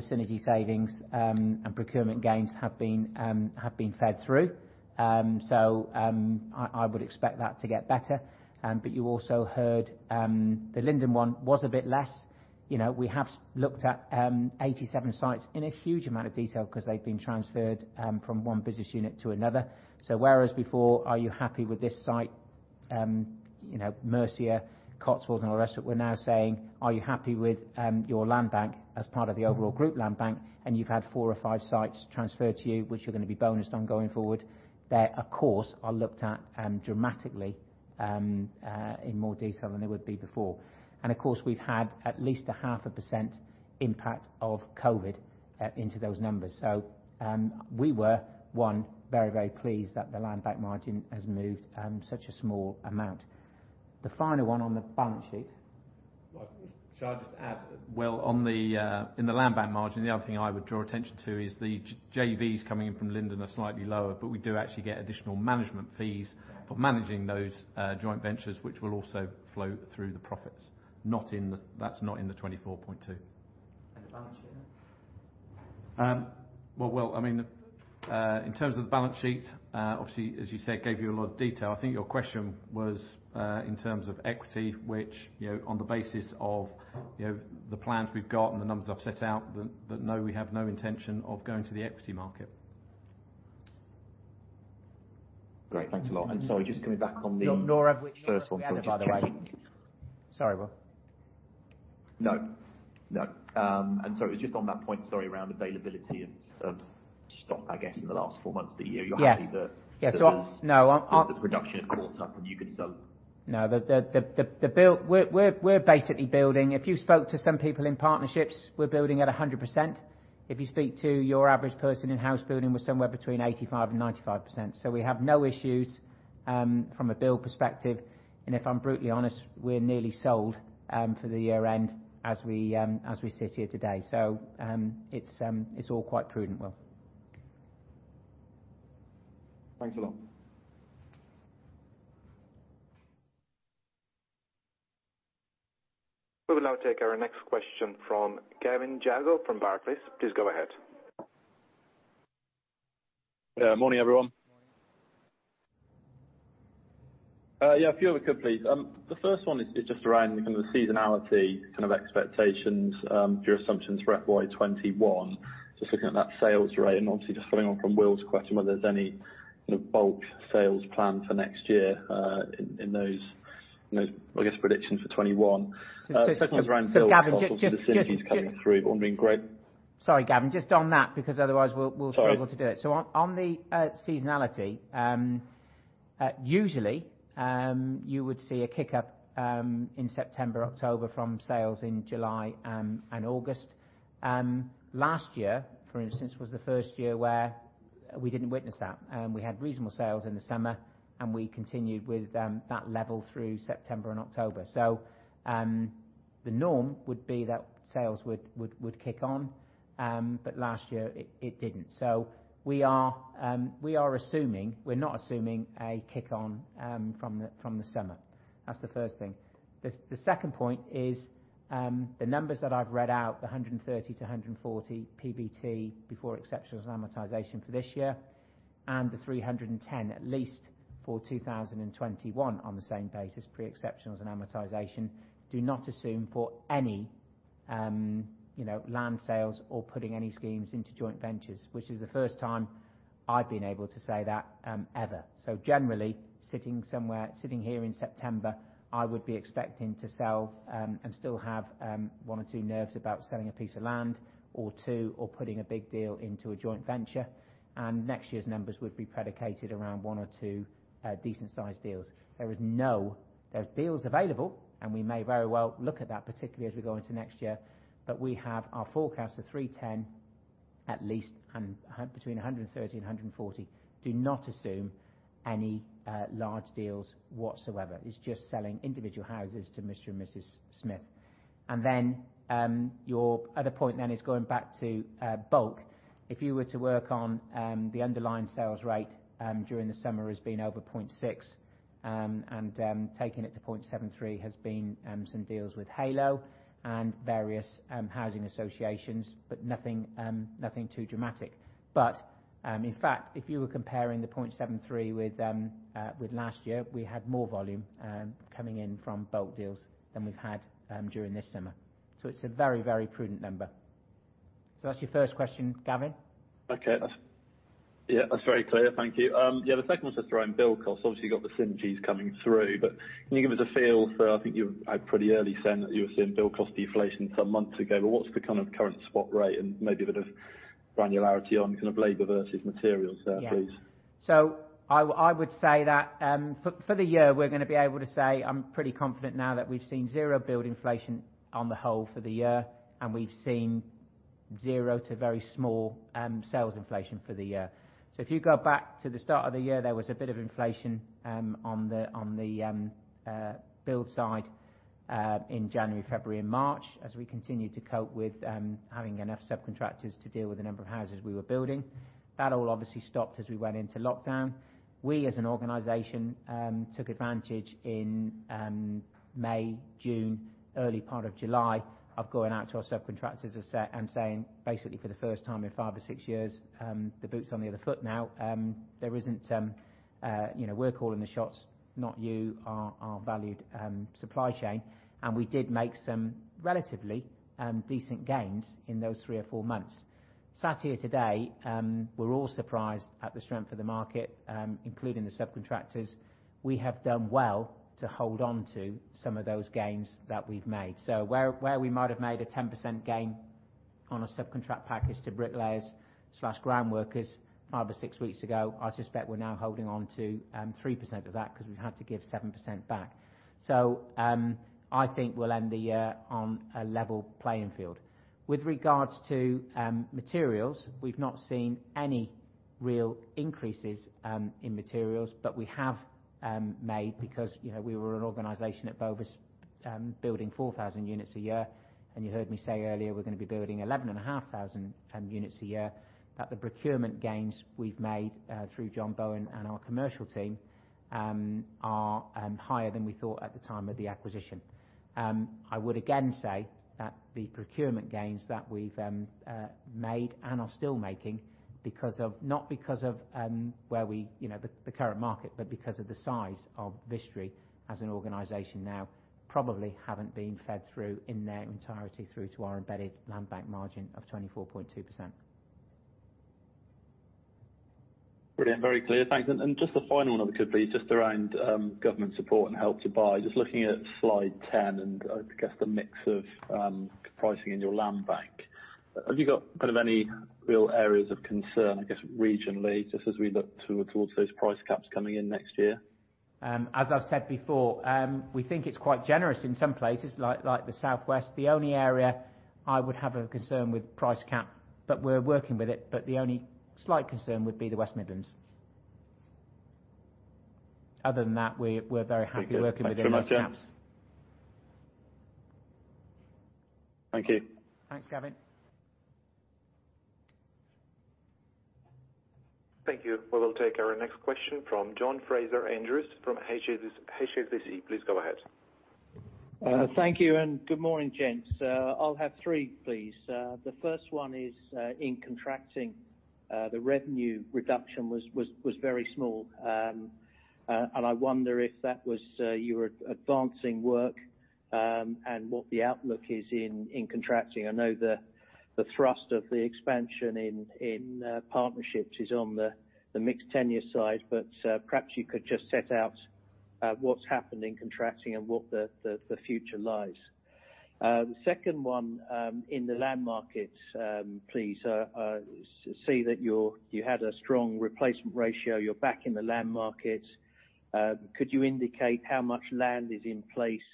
synergy savings and procurement gains have been fed through. I would expect that to get better. You also heard the Linden one was a bit less. We have looked at 87 sites in a huge amount of detail because they've been transferred from one business unit to another. Whereas before, are you happy with this site? Mercia, Cotswold, and all the rest of it, we're now saying, "Are you happy with your land bank as part of the overall group land bank? You've had four or five sites transferred to you, which you're going to be bonused on going forward. They, of course, are looked at dramatically, in more detail than they would be before. Of course, we've had at least a half a percent impact of COVID into those numbers. We were, one, very pleased that the land bank margin has moved such a small amount. The final one on the balance sheet. Well, shall I just add, Will, in the land bank margin, the other thing I would draw attention to is the JVs coming in from Linden are slightly lower, but we do actually get additional management fees for managing those joint ventures, which will also flow through the profits. That's not in the 24.2. The balance sheet then. Well, Will, in terms of the balance sheet, obviously, as you said, gave you a lot of detail. I think your question was in terms of equity, which on the basis of the plans we've got and the numbers I've set out, that no, we have no intention of going to the equity market. Great. Thanks a lot. Nor have we- First one, sorry, just checking. By the way. Sorry, Will. No. Sorry, it was just on that point, around availability of stock, I guess, in the last four months. You're happy that? Yes The reduction, of course, something you can sell. No. We're basically building. If you spoke to some people in Partnerships, we're building at 100%. If you speak to your average person in house building, we're somewhere between 85% and 95%. We have no issues from a build perspective. If I'm brutally honest, we're nearly sold for the year-end as we sit here today. It's all quite prudent, Will. Thanks a lot. We will now take our next question from Gavin Jago from Barclays. Please go ahead. Morning, everyone. A few if I could, please. The first one is just around kind of the seasonality kind of expectations, your assumptions for FY 2021. Just looking at that sales rate obviously just following on from Will's question, whether there's any bulk sales plan for next year in those predictions for 2021. Gavin. Second is around build costs, all the synergies coming through. Sorry, Gavin, just on that, because otherwise we'll struggle to do it. On the seasonality, usually, you would see a kick-up in September, October from sales in July and August. Last year, for instance, was the first year where we didn't witness that. We had reasonable sales in the summer, and we continued with that level through September and October. The norm would be that sales would kick on, but last year it didn't. We are assuming, we're not assuming a kick on from the summer. That's the first thing. The second point is the numbers that I've read out, the 130-140 PBT before exceptionals and amortization for this year, and the 310 at least for 2021 on the same basis, pre-exceptionals and amortization, do not assume for any land sales or putting any schemes into joint ventures, which is the first time I've been able to say that ever. Generally, sitting here in September, I would be expecting to sell and still have one or two nerves about selling a piece of land or two, or putting a big deal into a joint venture. Next year's numbers would be predicated around one or two decent sized deals. There are deals available, and we may very well look at that, particularly as we go into next year. We have our forecast of 310 at least, and between 130 and 140 do not assume any large deals whatsoever. It's just selling individual houses to Mr. and Mrs. Smith. Your other point then is going back to bulk. If you were to work on the underlying sales rate during the summer as being over 0.6 and taking it to 0.73 has been some deals with Heylo and various housing associations, but nothing too dramatic. In fact, if you were comparing the 0.73 with last year, we had more volume coming in from bulk deals than we've had during this summer. It's a very, very prudent number. That's your first question, Gavin. Okay. Yeah, that's very clear. Thank you. Yeah, the second one is around build cost. Obviously, you've got the synergies coming through, but can you give us a feel for, I think you had pretty early said that you were seeing build cost deflation some months ago, but what's the kind of current spot rate and maybe a bit of granularity on kind of labor versus materials there, please? Yeah. I would say that for the year we're going to be able to say I'm pretty confident now that we've seen zero build inflation on the whole for the year, and we've seen zero to very small sales inflation for the year. If you go back to the start of the year, there was a bit of inflation on the build side, in January, February and March, as we continued to cope with having enough subcontractors to deal with the number of houses we were building. That all obviously stopped as we went into lockdown. We, as an organization, took advantage in May, June, early part of July, of going out to our subcontractors and saying, basically for the first time in five or six years, "The boot's on the other foot now. We're calling the shots, not you, our valued supply chain." We did make some relatively decent gains in those three or four months. Sat here today, we're all surprised at the strength of the market, including the subcontractors. We have done well to hold on to some of those gains that we've made. Where we might have made a 10% gain on a subcontract package to bricklayers/ground workers five or six weeks ago, I suspect we're now holding on to 3% of that because we've had to give 7% back. I think we'll end the year on a level playing field. With regards to materials, we've not seen any real increases in materials, but we have made, because we were an organization at Bovis building 4,000 units a year and you heard me say earlier, we're going to be building 11,500 units a year, that the procurement gains we've made through John Bown and our commercial team are higher than we thought at the time of the acquisition. I would again say that the procurement gains that we've made and are still making, not because of the current market, but because of the size of Vistry as an organization now, probably haven't been fed through in their entirety through to our embedded land bank margin of 24.2%. Brilliant. Very clear. Thanks. Just a final one, if I could, please, just around government support and Help to Buy. Just looking at slide 10 and I guess the mix of pricing in your land bank. Have you got kind of any real areas of concern, I guess, regionally, just as we look towards those price caps coming in next year? As I've said before, we think it's quite generous in some places like the Southwest. The only area I would have a concern with price cap, but we're working with it, the only slight concern would be the West Midlands. Other than that, we're very happy working within those caps. Thank you very much. Thank you. Thanks, Gavin. Thank you. We will take our next question from John Fraser-Andrews from HSBC. Please go ahead. Thank you. Good morning, gents. I'll have three, please. The first one is, in contracting, the revenue reduction was very small. I wonder if that was you were advancing work, and what the outlook is in contracting. I know the thrust of the expansion in Partnerships is on the mixed tenure side. Perhaps you could just set out what's happened in contracting and what the future lies. The second one, in the land markets, please. I see that you had a strong replacement ratio. You're back in the land market. Could you indicate how much land is in place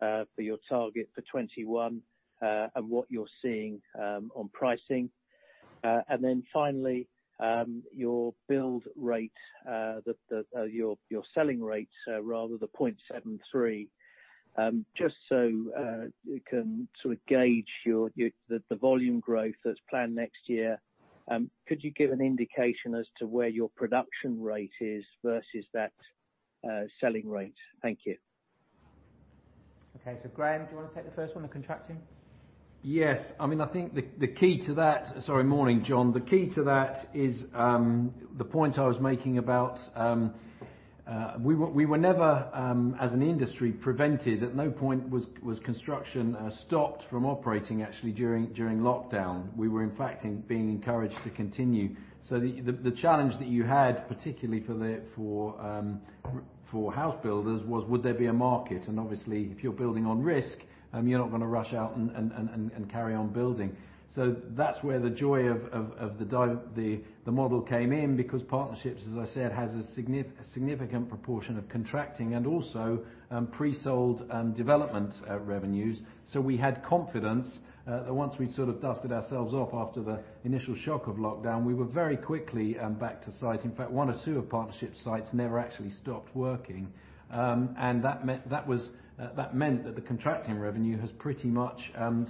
for your target for 2021, and what you're seeing on pricing? Finally, your build rate, your selling rates rather, the 0.73. Just so we can sort of gauge the volume growth that's planned next year, could you give an indication as to where your production rate is versus that selling rate? Thank you. Okay. Graham, do you want to take the first one on contracting? Yes. Sorry. Morning, John. The key to that is the point I was making about we were never as an industry prevented, at no point was construction stopped from operating actually during lockdown. We were in fact being encouraged to continue. The challenge that you had, particularly for house builders was would there be a market? Obviously if you're building on risk, you're not going to rush out and carry on building. That's where the joy of the model came in because Partnerships, as I said, has a significant proportion of contracting and also pre-sold development revenues. We had confidence that once we sort of dusted ourselves off after the initial shock of lockdown, we were very quickly back to site. In fact, one or two of Partnership sites never actually stopped working. That meant that the contracting revenue has pretty much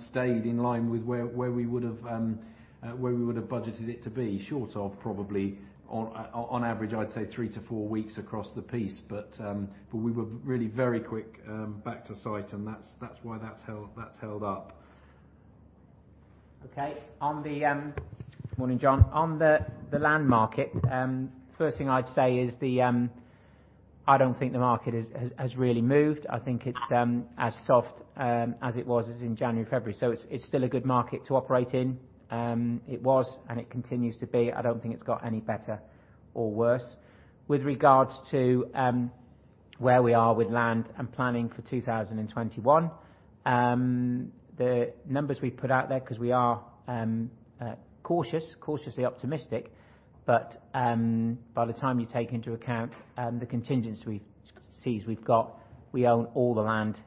stayed in line with where we would've budgeted it to be, short of probably on average, I'd say three to four weeks across the piece. We were really very quick back to site, and that's why that's held up. Okay. Morning, John. On the land market, first thing I'd say is I don't think the market has really moved. I think it's as soft as it was in January, February. It's still a good market to operate in. It was and it continues to be. I don't think it's got any better or worse. With regards to where we are with land and planning for 2021, the numbers we put out there, because we are cautiously optimistic, but by the time you take into account the contingency we've got, we own all the land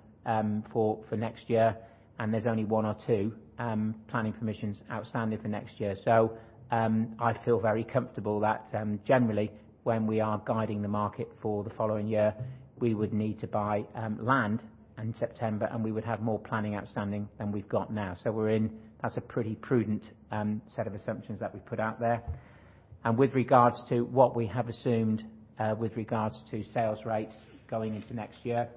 for next year, and there's only one or two planning permissions outstanding for next year. I feel very comfortable that, generally, when we are guiding the market for the following year, we would need to buy land in September, and we would have more planning outstanding than we've got now. That's a pretty prudent set of assumptions that we put out there. With regards to what we have assumed with regards to sales rates going into next year,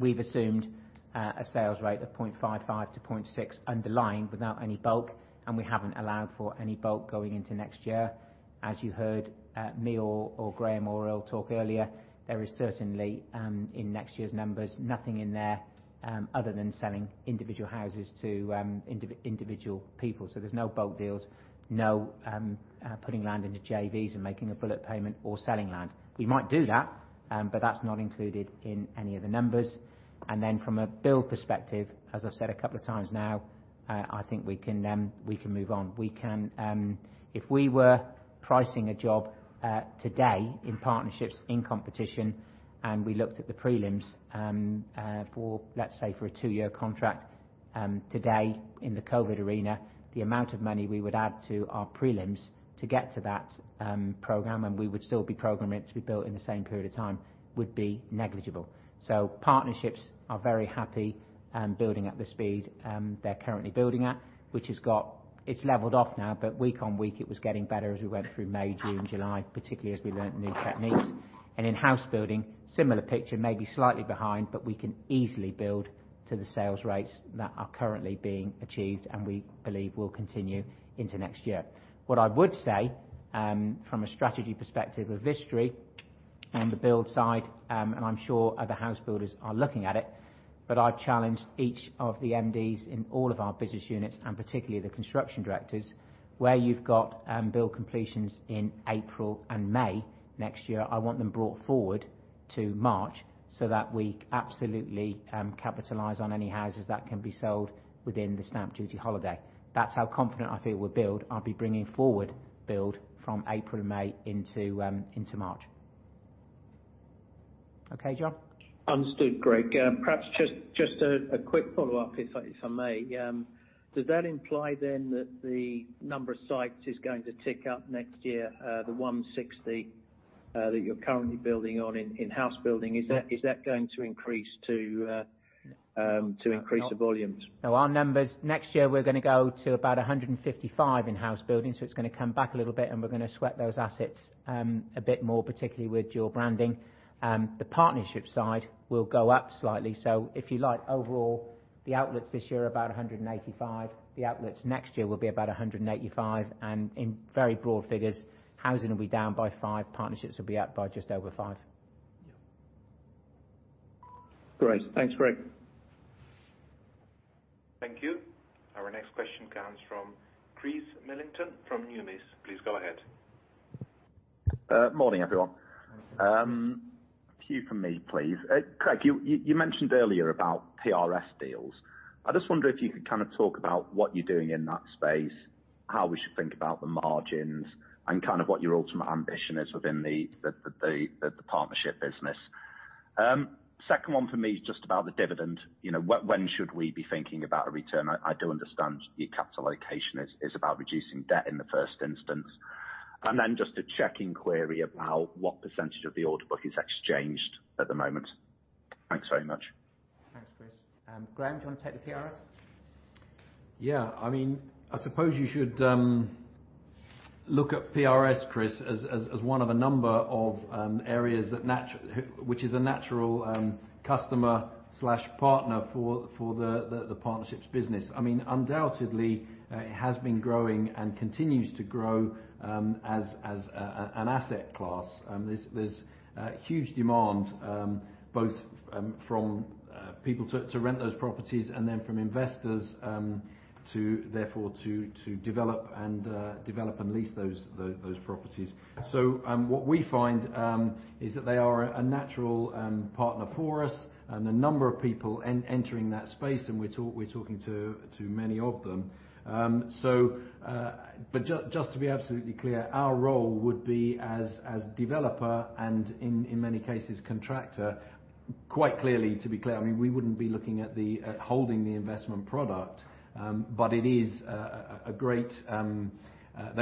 we've assumed a sales rate of 0.55-0.6 underlying without any bulk, and we haven't allowed for any bulk going into next year. As you heard me or Graham or Earl talk earlier, there is certainly, in next year's numbers, nothing in there other than selling individual houses to individual people. There's no bulk deals, no putting land into JVs and making a bullet payment or selling land. We might do that, but that's not included in any of the numbers. From a build perspective, as I've said a couple of times now, I think we can move on. If we were pricing a job today in Partnerships, in competition, and we looked at the prelims, let's say for a two year contract today in the COVID arena, the amount of money we would add to our prelims to get to that program, and we would still be programming it to be built in the same period of time, would be negligible. Partnerships are very happy building at the speed they're currently building at. It's leveled off now, week on week, it was getting better as we went through May, June, July, particularly as we learned new techniques. In housebuilding, similar picture, maybe slightly behind, we can easily build to the sales rates that are currently being achieved and we believe will continue into next year. What I would say, from a strategy perspective with Vistry and the build side, I am sure other house builders are looking at it, but I have challenged each of the MDs in all of our business units, and particularly the construction directors, where you have got build completions in April and May next year, I want them brought forward to March so that we absolutely capitalize on any houses that can be sold within the Stamp Duty holiday. That is how confident I feel with build. I will be bringing forward build from April and May into March. Okay, John? Understood, Greg. Perhaps just a quick follow-up, if I may. Does that imply then that the number of sites is going to tick up next year? The 160 that you're currently building on in house building, is that going to increase to increase the volumes? No. Our numbers next year, we're going to go to about 155 in housebuilding, so it's going to come back a little bit and we're going to sweat those assets a bit more, particularly with dual branding. The Partnerships will go up slightly. If you like, overall, the outlets this year are about 185. The outlets next year will be about 185. In very broad figures, housing will be down by five, Partnerships will be up by just over five. Great. Thanks, Greg. Thank you. Our next question comes from Chris Millington from Numis. Please go ahead. Morning, everyone. Morning, Chris. A few from me, please. Greg, you mentioned earlier about PRS deals. I just wonder if you could talk about what you're doing in that space, how we should think about the margins, and what your ultimate ambition is within the Partnership business. Second one for me is just about the dividend. When should we be thinking about a return? I do understand your capital allocation is about reducing debt in the first instance. Just a check-in query about what % of the order book is exchanged at the moment. Thanks very much. Thanks, Chris. Graham, do you want to take the PRS? Yeah. I suppose you should look at PRS, Chris, as one of a number of areas which is a natural customer/partner for the Partnerships business. Undoubtedly, it has been growing and continues to grow as an asset class. There's huge demand both from people to rent those properties and then from investors therefore to develop and lease those properties. What we find is that they are a natural partner for us and a number of people entering that space, and we're talking to many of them. Just to be absolutely clear, our role would be as developer and in many cases, contractor. To be clear, we wouldn't be looking at holding the investment product. They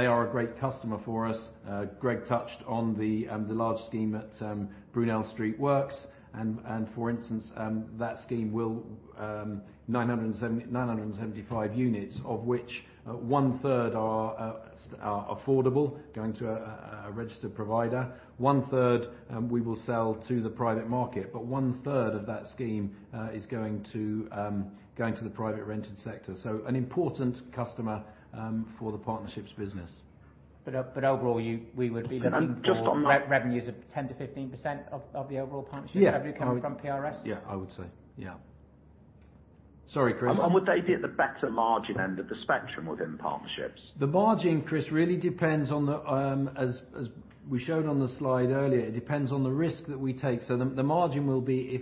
are a great customer for us. Greg touched on the large scheme at Brunel Street Works. For instance, that scheme, 975 units of which one third are affordable, going to a registered provider, one third we will sell to the private market. One third of that scheme is going to the private rented sector. An important customer for the Partnerships business. Overall, we would be looking. Just on that. Revenues of 10%-15% of the overall partnership. Yeah Revenue coming from PRS? Yeah, I would say. Yeah. Sorry, Chris. Would they be at the better margin end of the spectrum within Partnerships? The margin, Chris, really as we showed on the slide earlier, it depends on the risk that we take. The margin will be if,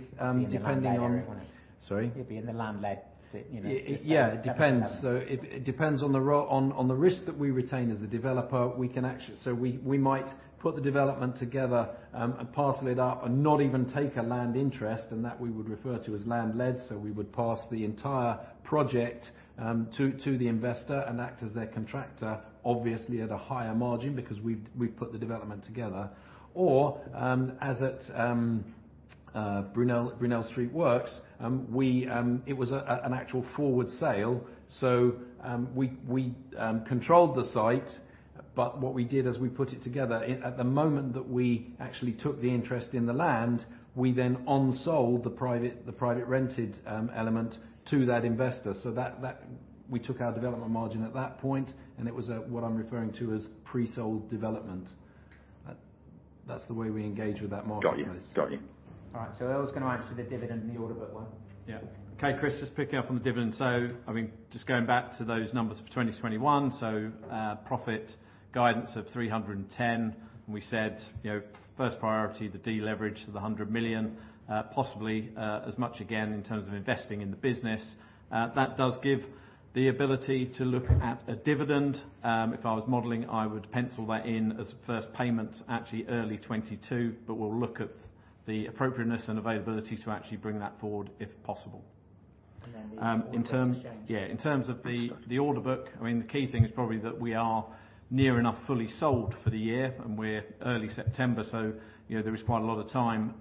depending on- It'd be in the land lead area, wouldn't it? Sorry? It'd be in the land lead, this kind of stuff. Yeah, it depends. It depends on the risk that we retain as the developer. We might put the development together, and parcel it up and not even take a land interest, and that we would refer to as land lead. We would pass the entire project, to the investor and act as their contractor, obviously at a higher margin, because we've put the development together. As at Brunel Street Works, it was an actual forward sale. We controlled the site, but what we did is we put it together. At the moment that we actually took the interest in the land, we then on sold the private rented element to that investor. We took our development margin at that point, and it was what I'm referring to as pre-sold development. That's the way we engage with that marketplace. Got you. All right. Earl's going to answer the dividend and the order book one. Yeah. Okay, Chris, just picking up on the dividend. Just going back to those numbers for 2021. Profit guidance of 310. We said, first priority, the deleverage of the 100 million, possibly as much again in terms of investing in the business. That does give the ability to look at a dividend. If I was modeling, I would pencil that in as first payment actually early 2022, but we'll look at the appropriateness and availability to actually bring that forward if possible. The order book exchange. In terms of the order book, the key thing is probably that we are near enough fully sold for the year. We're early September. There is quite a lot of time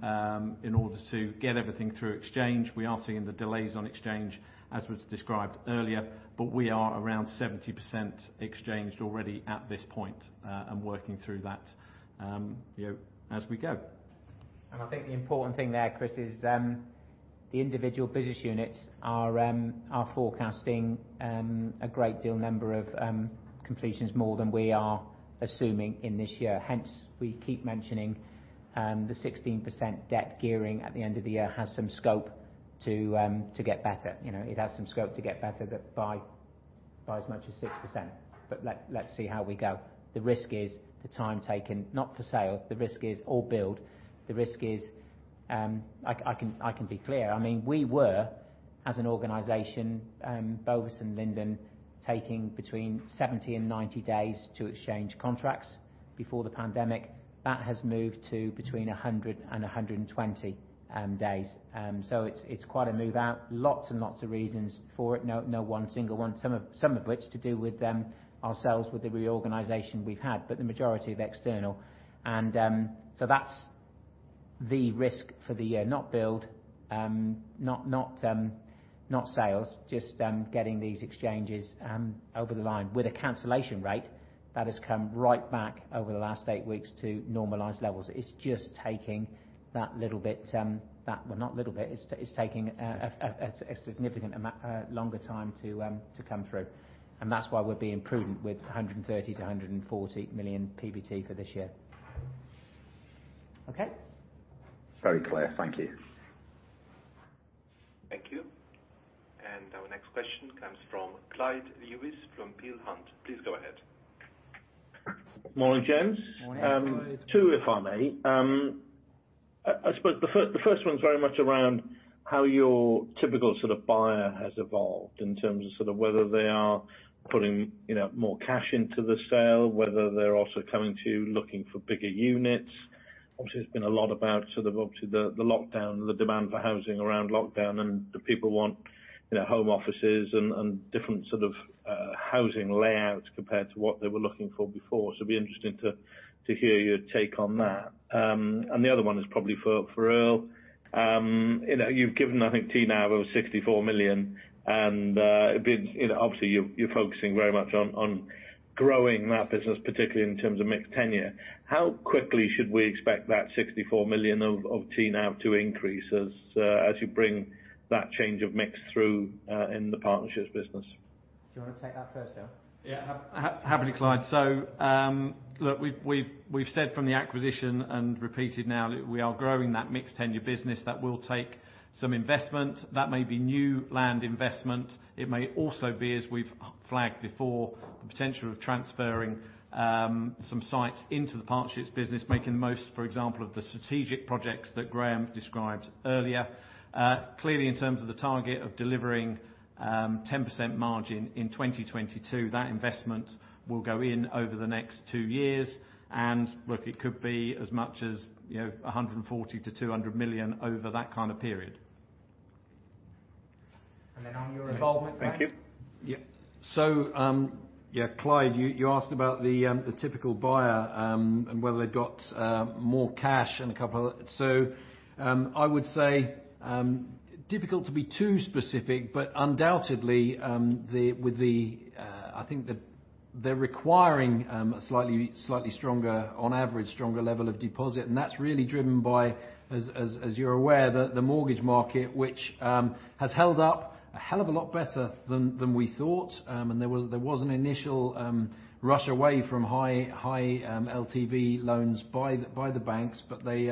in order to get everything through exchange. We are seeing the delays on exchange as was described earlier. We are around 70% exchanged already at this point. Working through that as we go. I think the important thing there, Chris, is the individual business units are forecasting a great deal number of completions more than we are assuming in this year. Hence, we keep mentioning the 16% debt gearing at the end of the year has some scope to get better. It has some scope to get better by as much as 6%. Let's see how we go. The risk is the time taken, not for sales, or build. I can be clear. We were, as an organization, Bovis and Linden, taking between 70 and 90 days to exchange contracts before the pandemic. That has moved to between 100 and 120 days. So it's quite a move out. Lots and lots of reasons for it. No one single one. Some of which to do with ourselves, with the reorganization we've had, but the majority of external. That's the risk for the year. Not build, not sales, just getting these exchanges over the line. With a cancellation rate that has come right back over the last eight weeks to normalized levels. It's just taking a significant amount longer time to come through. That's why we're being prudent with 130 million-140 million PBT for this year. Okay? Very clear. Thank you. Thank you. Our next question comes from Clyde Lewis from Peel Hunt. Please go ahead. Morning, gents. Morning, Clyde. Two, if I may. I suppose the first one's very much around how your typical sort of buyer has evolved in terms of sort of whether they are putting more cash into the sale, whether they're also coming to you looking for bigger units. Obviously, there's been a lot about sort of obviously the lockdown and the demand for housing around lockdown and do people want home offices and different sort of housing layouts compared to what they were looking for before. It'd be interesting to hear your take on that. The other one is probably for Earl. You've given, I think, TNAV of 64 million and, obviously you're focusing very much on growing that business, particularly in terms of mixed tenure. How quickly should we expect that 64 million of TNAV to increase as you bring that change of mix through, in the partnerships business? Do you want to take that first, Earl? Happily, Clyde. Look, we've said from the acquisition and repeated now that we are growing that mixed tenure business. That will take some investment. That may be new land investment. It may also be, as we've flagged before, the potential of transferring some sites into the partnerships business, making the most, for example, of the strategic projects that Graham described earlier. Clearly, in terms of the target of delivering 10% margin in 2022, that investment will go in over the next two years and look, it could be as much as 140 million-200 million over that kind of period. On your involvement, Graham? Thank you. Yeah. Clyde, you asked about the typical buyer, and whether they've got more cash and a couple other. I would say, difficult to be too specific, but undoubtedly, I think they're requiring a slightly stronger, on average, stronger level of deposit. That's really driven by, as you're aware, the mortgage market, which has held up a hell of a lot better than we thought. There was an initial rush away from high LTV loans by the banks, but they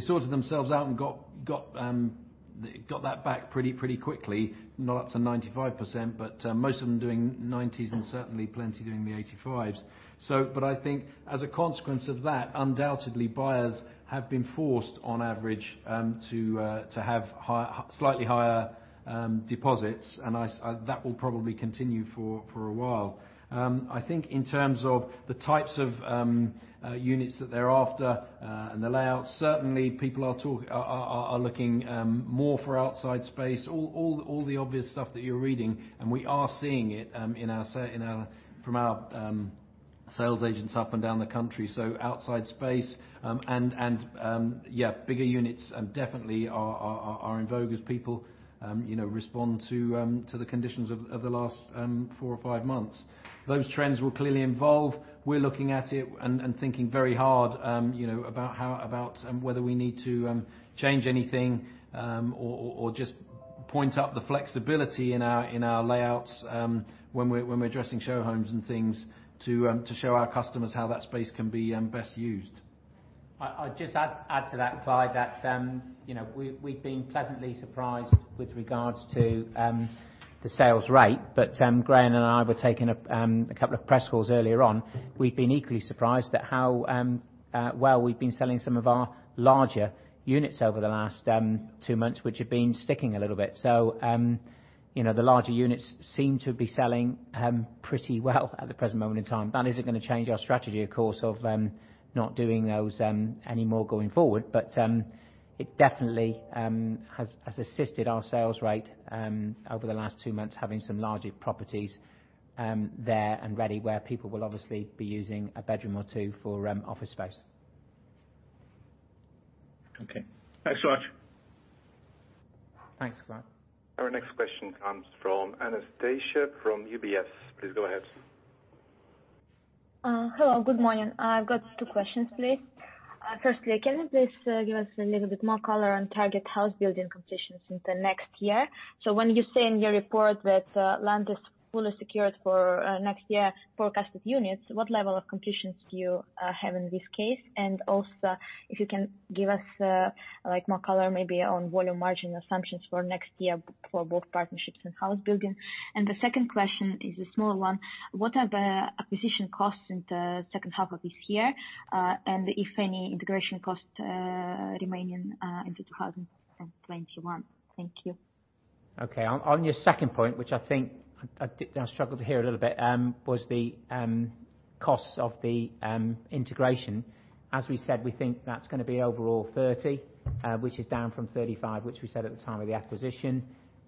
sorted themselves out and got that back pretty quickly. Not up to 95%, but most of them doing 90s and certainly plenty doing the 85s. I think as a consequence of that, undoubtedly, buyers have been forced, on average, to have slightly higher deposits, and that will probably continue for a while. I think in terms of the types of units that they're after and the layout, certainly people are looking more for outside space. All the obvious stuff that you're reading, and we are seeing it from our sales agents up and down the country. Outside space and bigger units definitely are en vogue as people respond to the conditions of the last four or five months. Those trends will clearly evolve. We're looking at it and thinking very hard about whether we need to change anything, or just point up the flexibility in our layouts when we're addressing show homes and things to show our customers how that space can be best used. I'd just add to that, Clyde, that we've been pleasantly surprised with regards to the sales rate. Graham and I were taking a couple of press calls earlier on. We've been equally surprised at how well we've been selling some of our larger units over the last two months, which have been sticking a little bit. The larger units seem to be selling pretty well at the present moment in time. That isn't going to change our strategy, of course, of not doing those anymore going forward. It definitely has assisted our sales rate over the last two months, having some larger properties there and ready, where people will obviously be using a bedroom or two for office space. Okay. Thanks so much. Thanks, Graham. Our next question comes from Anastasia from UBS. Please go ahead. Hello, good morning. I've got two questions, please. Firstly, can you please give us a little bit more color on target Housebuilding completions into next year? When you say in your report that land is fully secured for next year forecasted units, what level of completions do you have in this case? Also, if you can give us more color maybe on volume margin assumptions for next year for both Partnerships and Housebuilding. The second question is a small one. What are the acquisition costs in the second half of this year? If any integration costs remaining into 2021. Thank you. Okay. On your second point, which I think I struggled to hear a little bit, was the costs of the integration. As we said, we think that's going to be overall 30 million, which is down from 35 million, which we said at the time of the acquisition.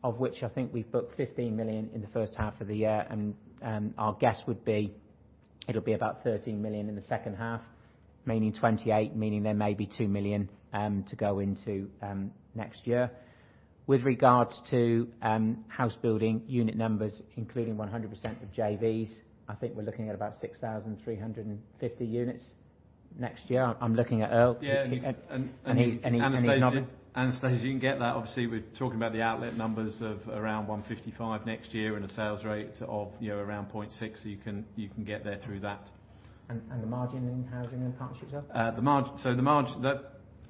Of which I think we've booked 15 million in the first half of the year, and our guess would be it'll be about 13 million in the second half, meaning 28 million, meaning there may be 2 million to go into next year. With regards to housebuilding unit numbers, including 100% of JVs, I think we're looking at about 6,350 units next year. I'm looking at Earl. Anastasia, you can get that. Obviously, we're talking about the outlet numbers of around 155 next year and a sales rate of around 0.6. You can get there through that. The margin in housing and partnerships, Earl? The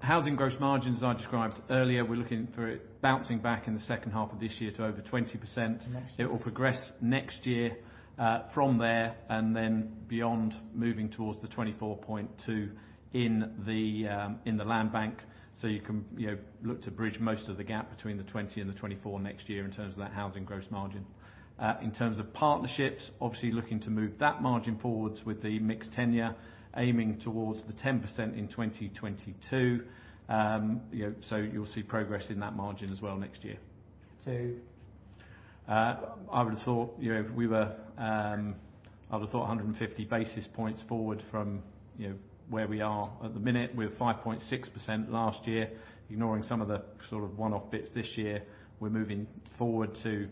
housing gross margins I described earlier, we're looking for it bouncing back in the second half of this year to over 20%. It will progress next year from there and then beyond moving towards the 2024.2 in the land bank. You can look to bridge most of the gap between the 2020 and the 2024 next year in terms of that housing gross margin. In terms of Vistry Partnerships, obviously looking to move that margin forwards with the mixed tenure aiming towards the 10% in 2022. You'll see progress in that margin as well next year. I would have thought 150 basis points forward from where we are at the minute. We have 5.6% last year. Ignoring some of the sort of one-off bits this year, we're moving forward to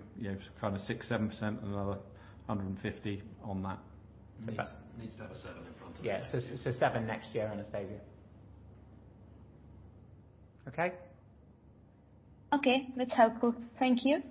kind of 6%, 7% and another 150 on that. Needs to have a seven in front of it. Yeah. seven next year, Anastasia. Okay? Okay. That's helpful. Thank you.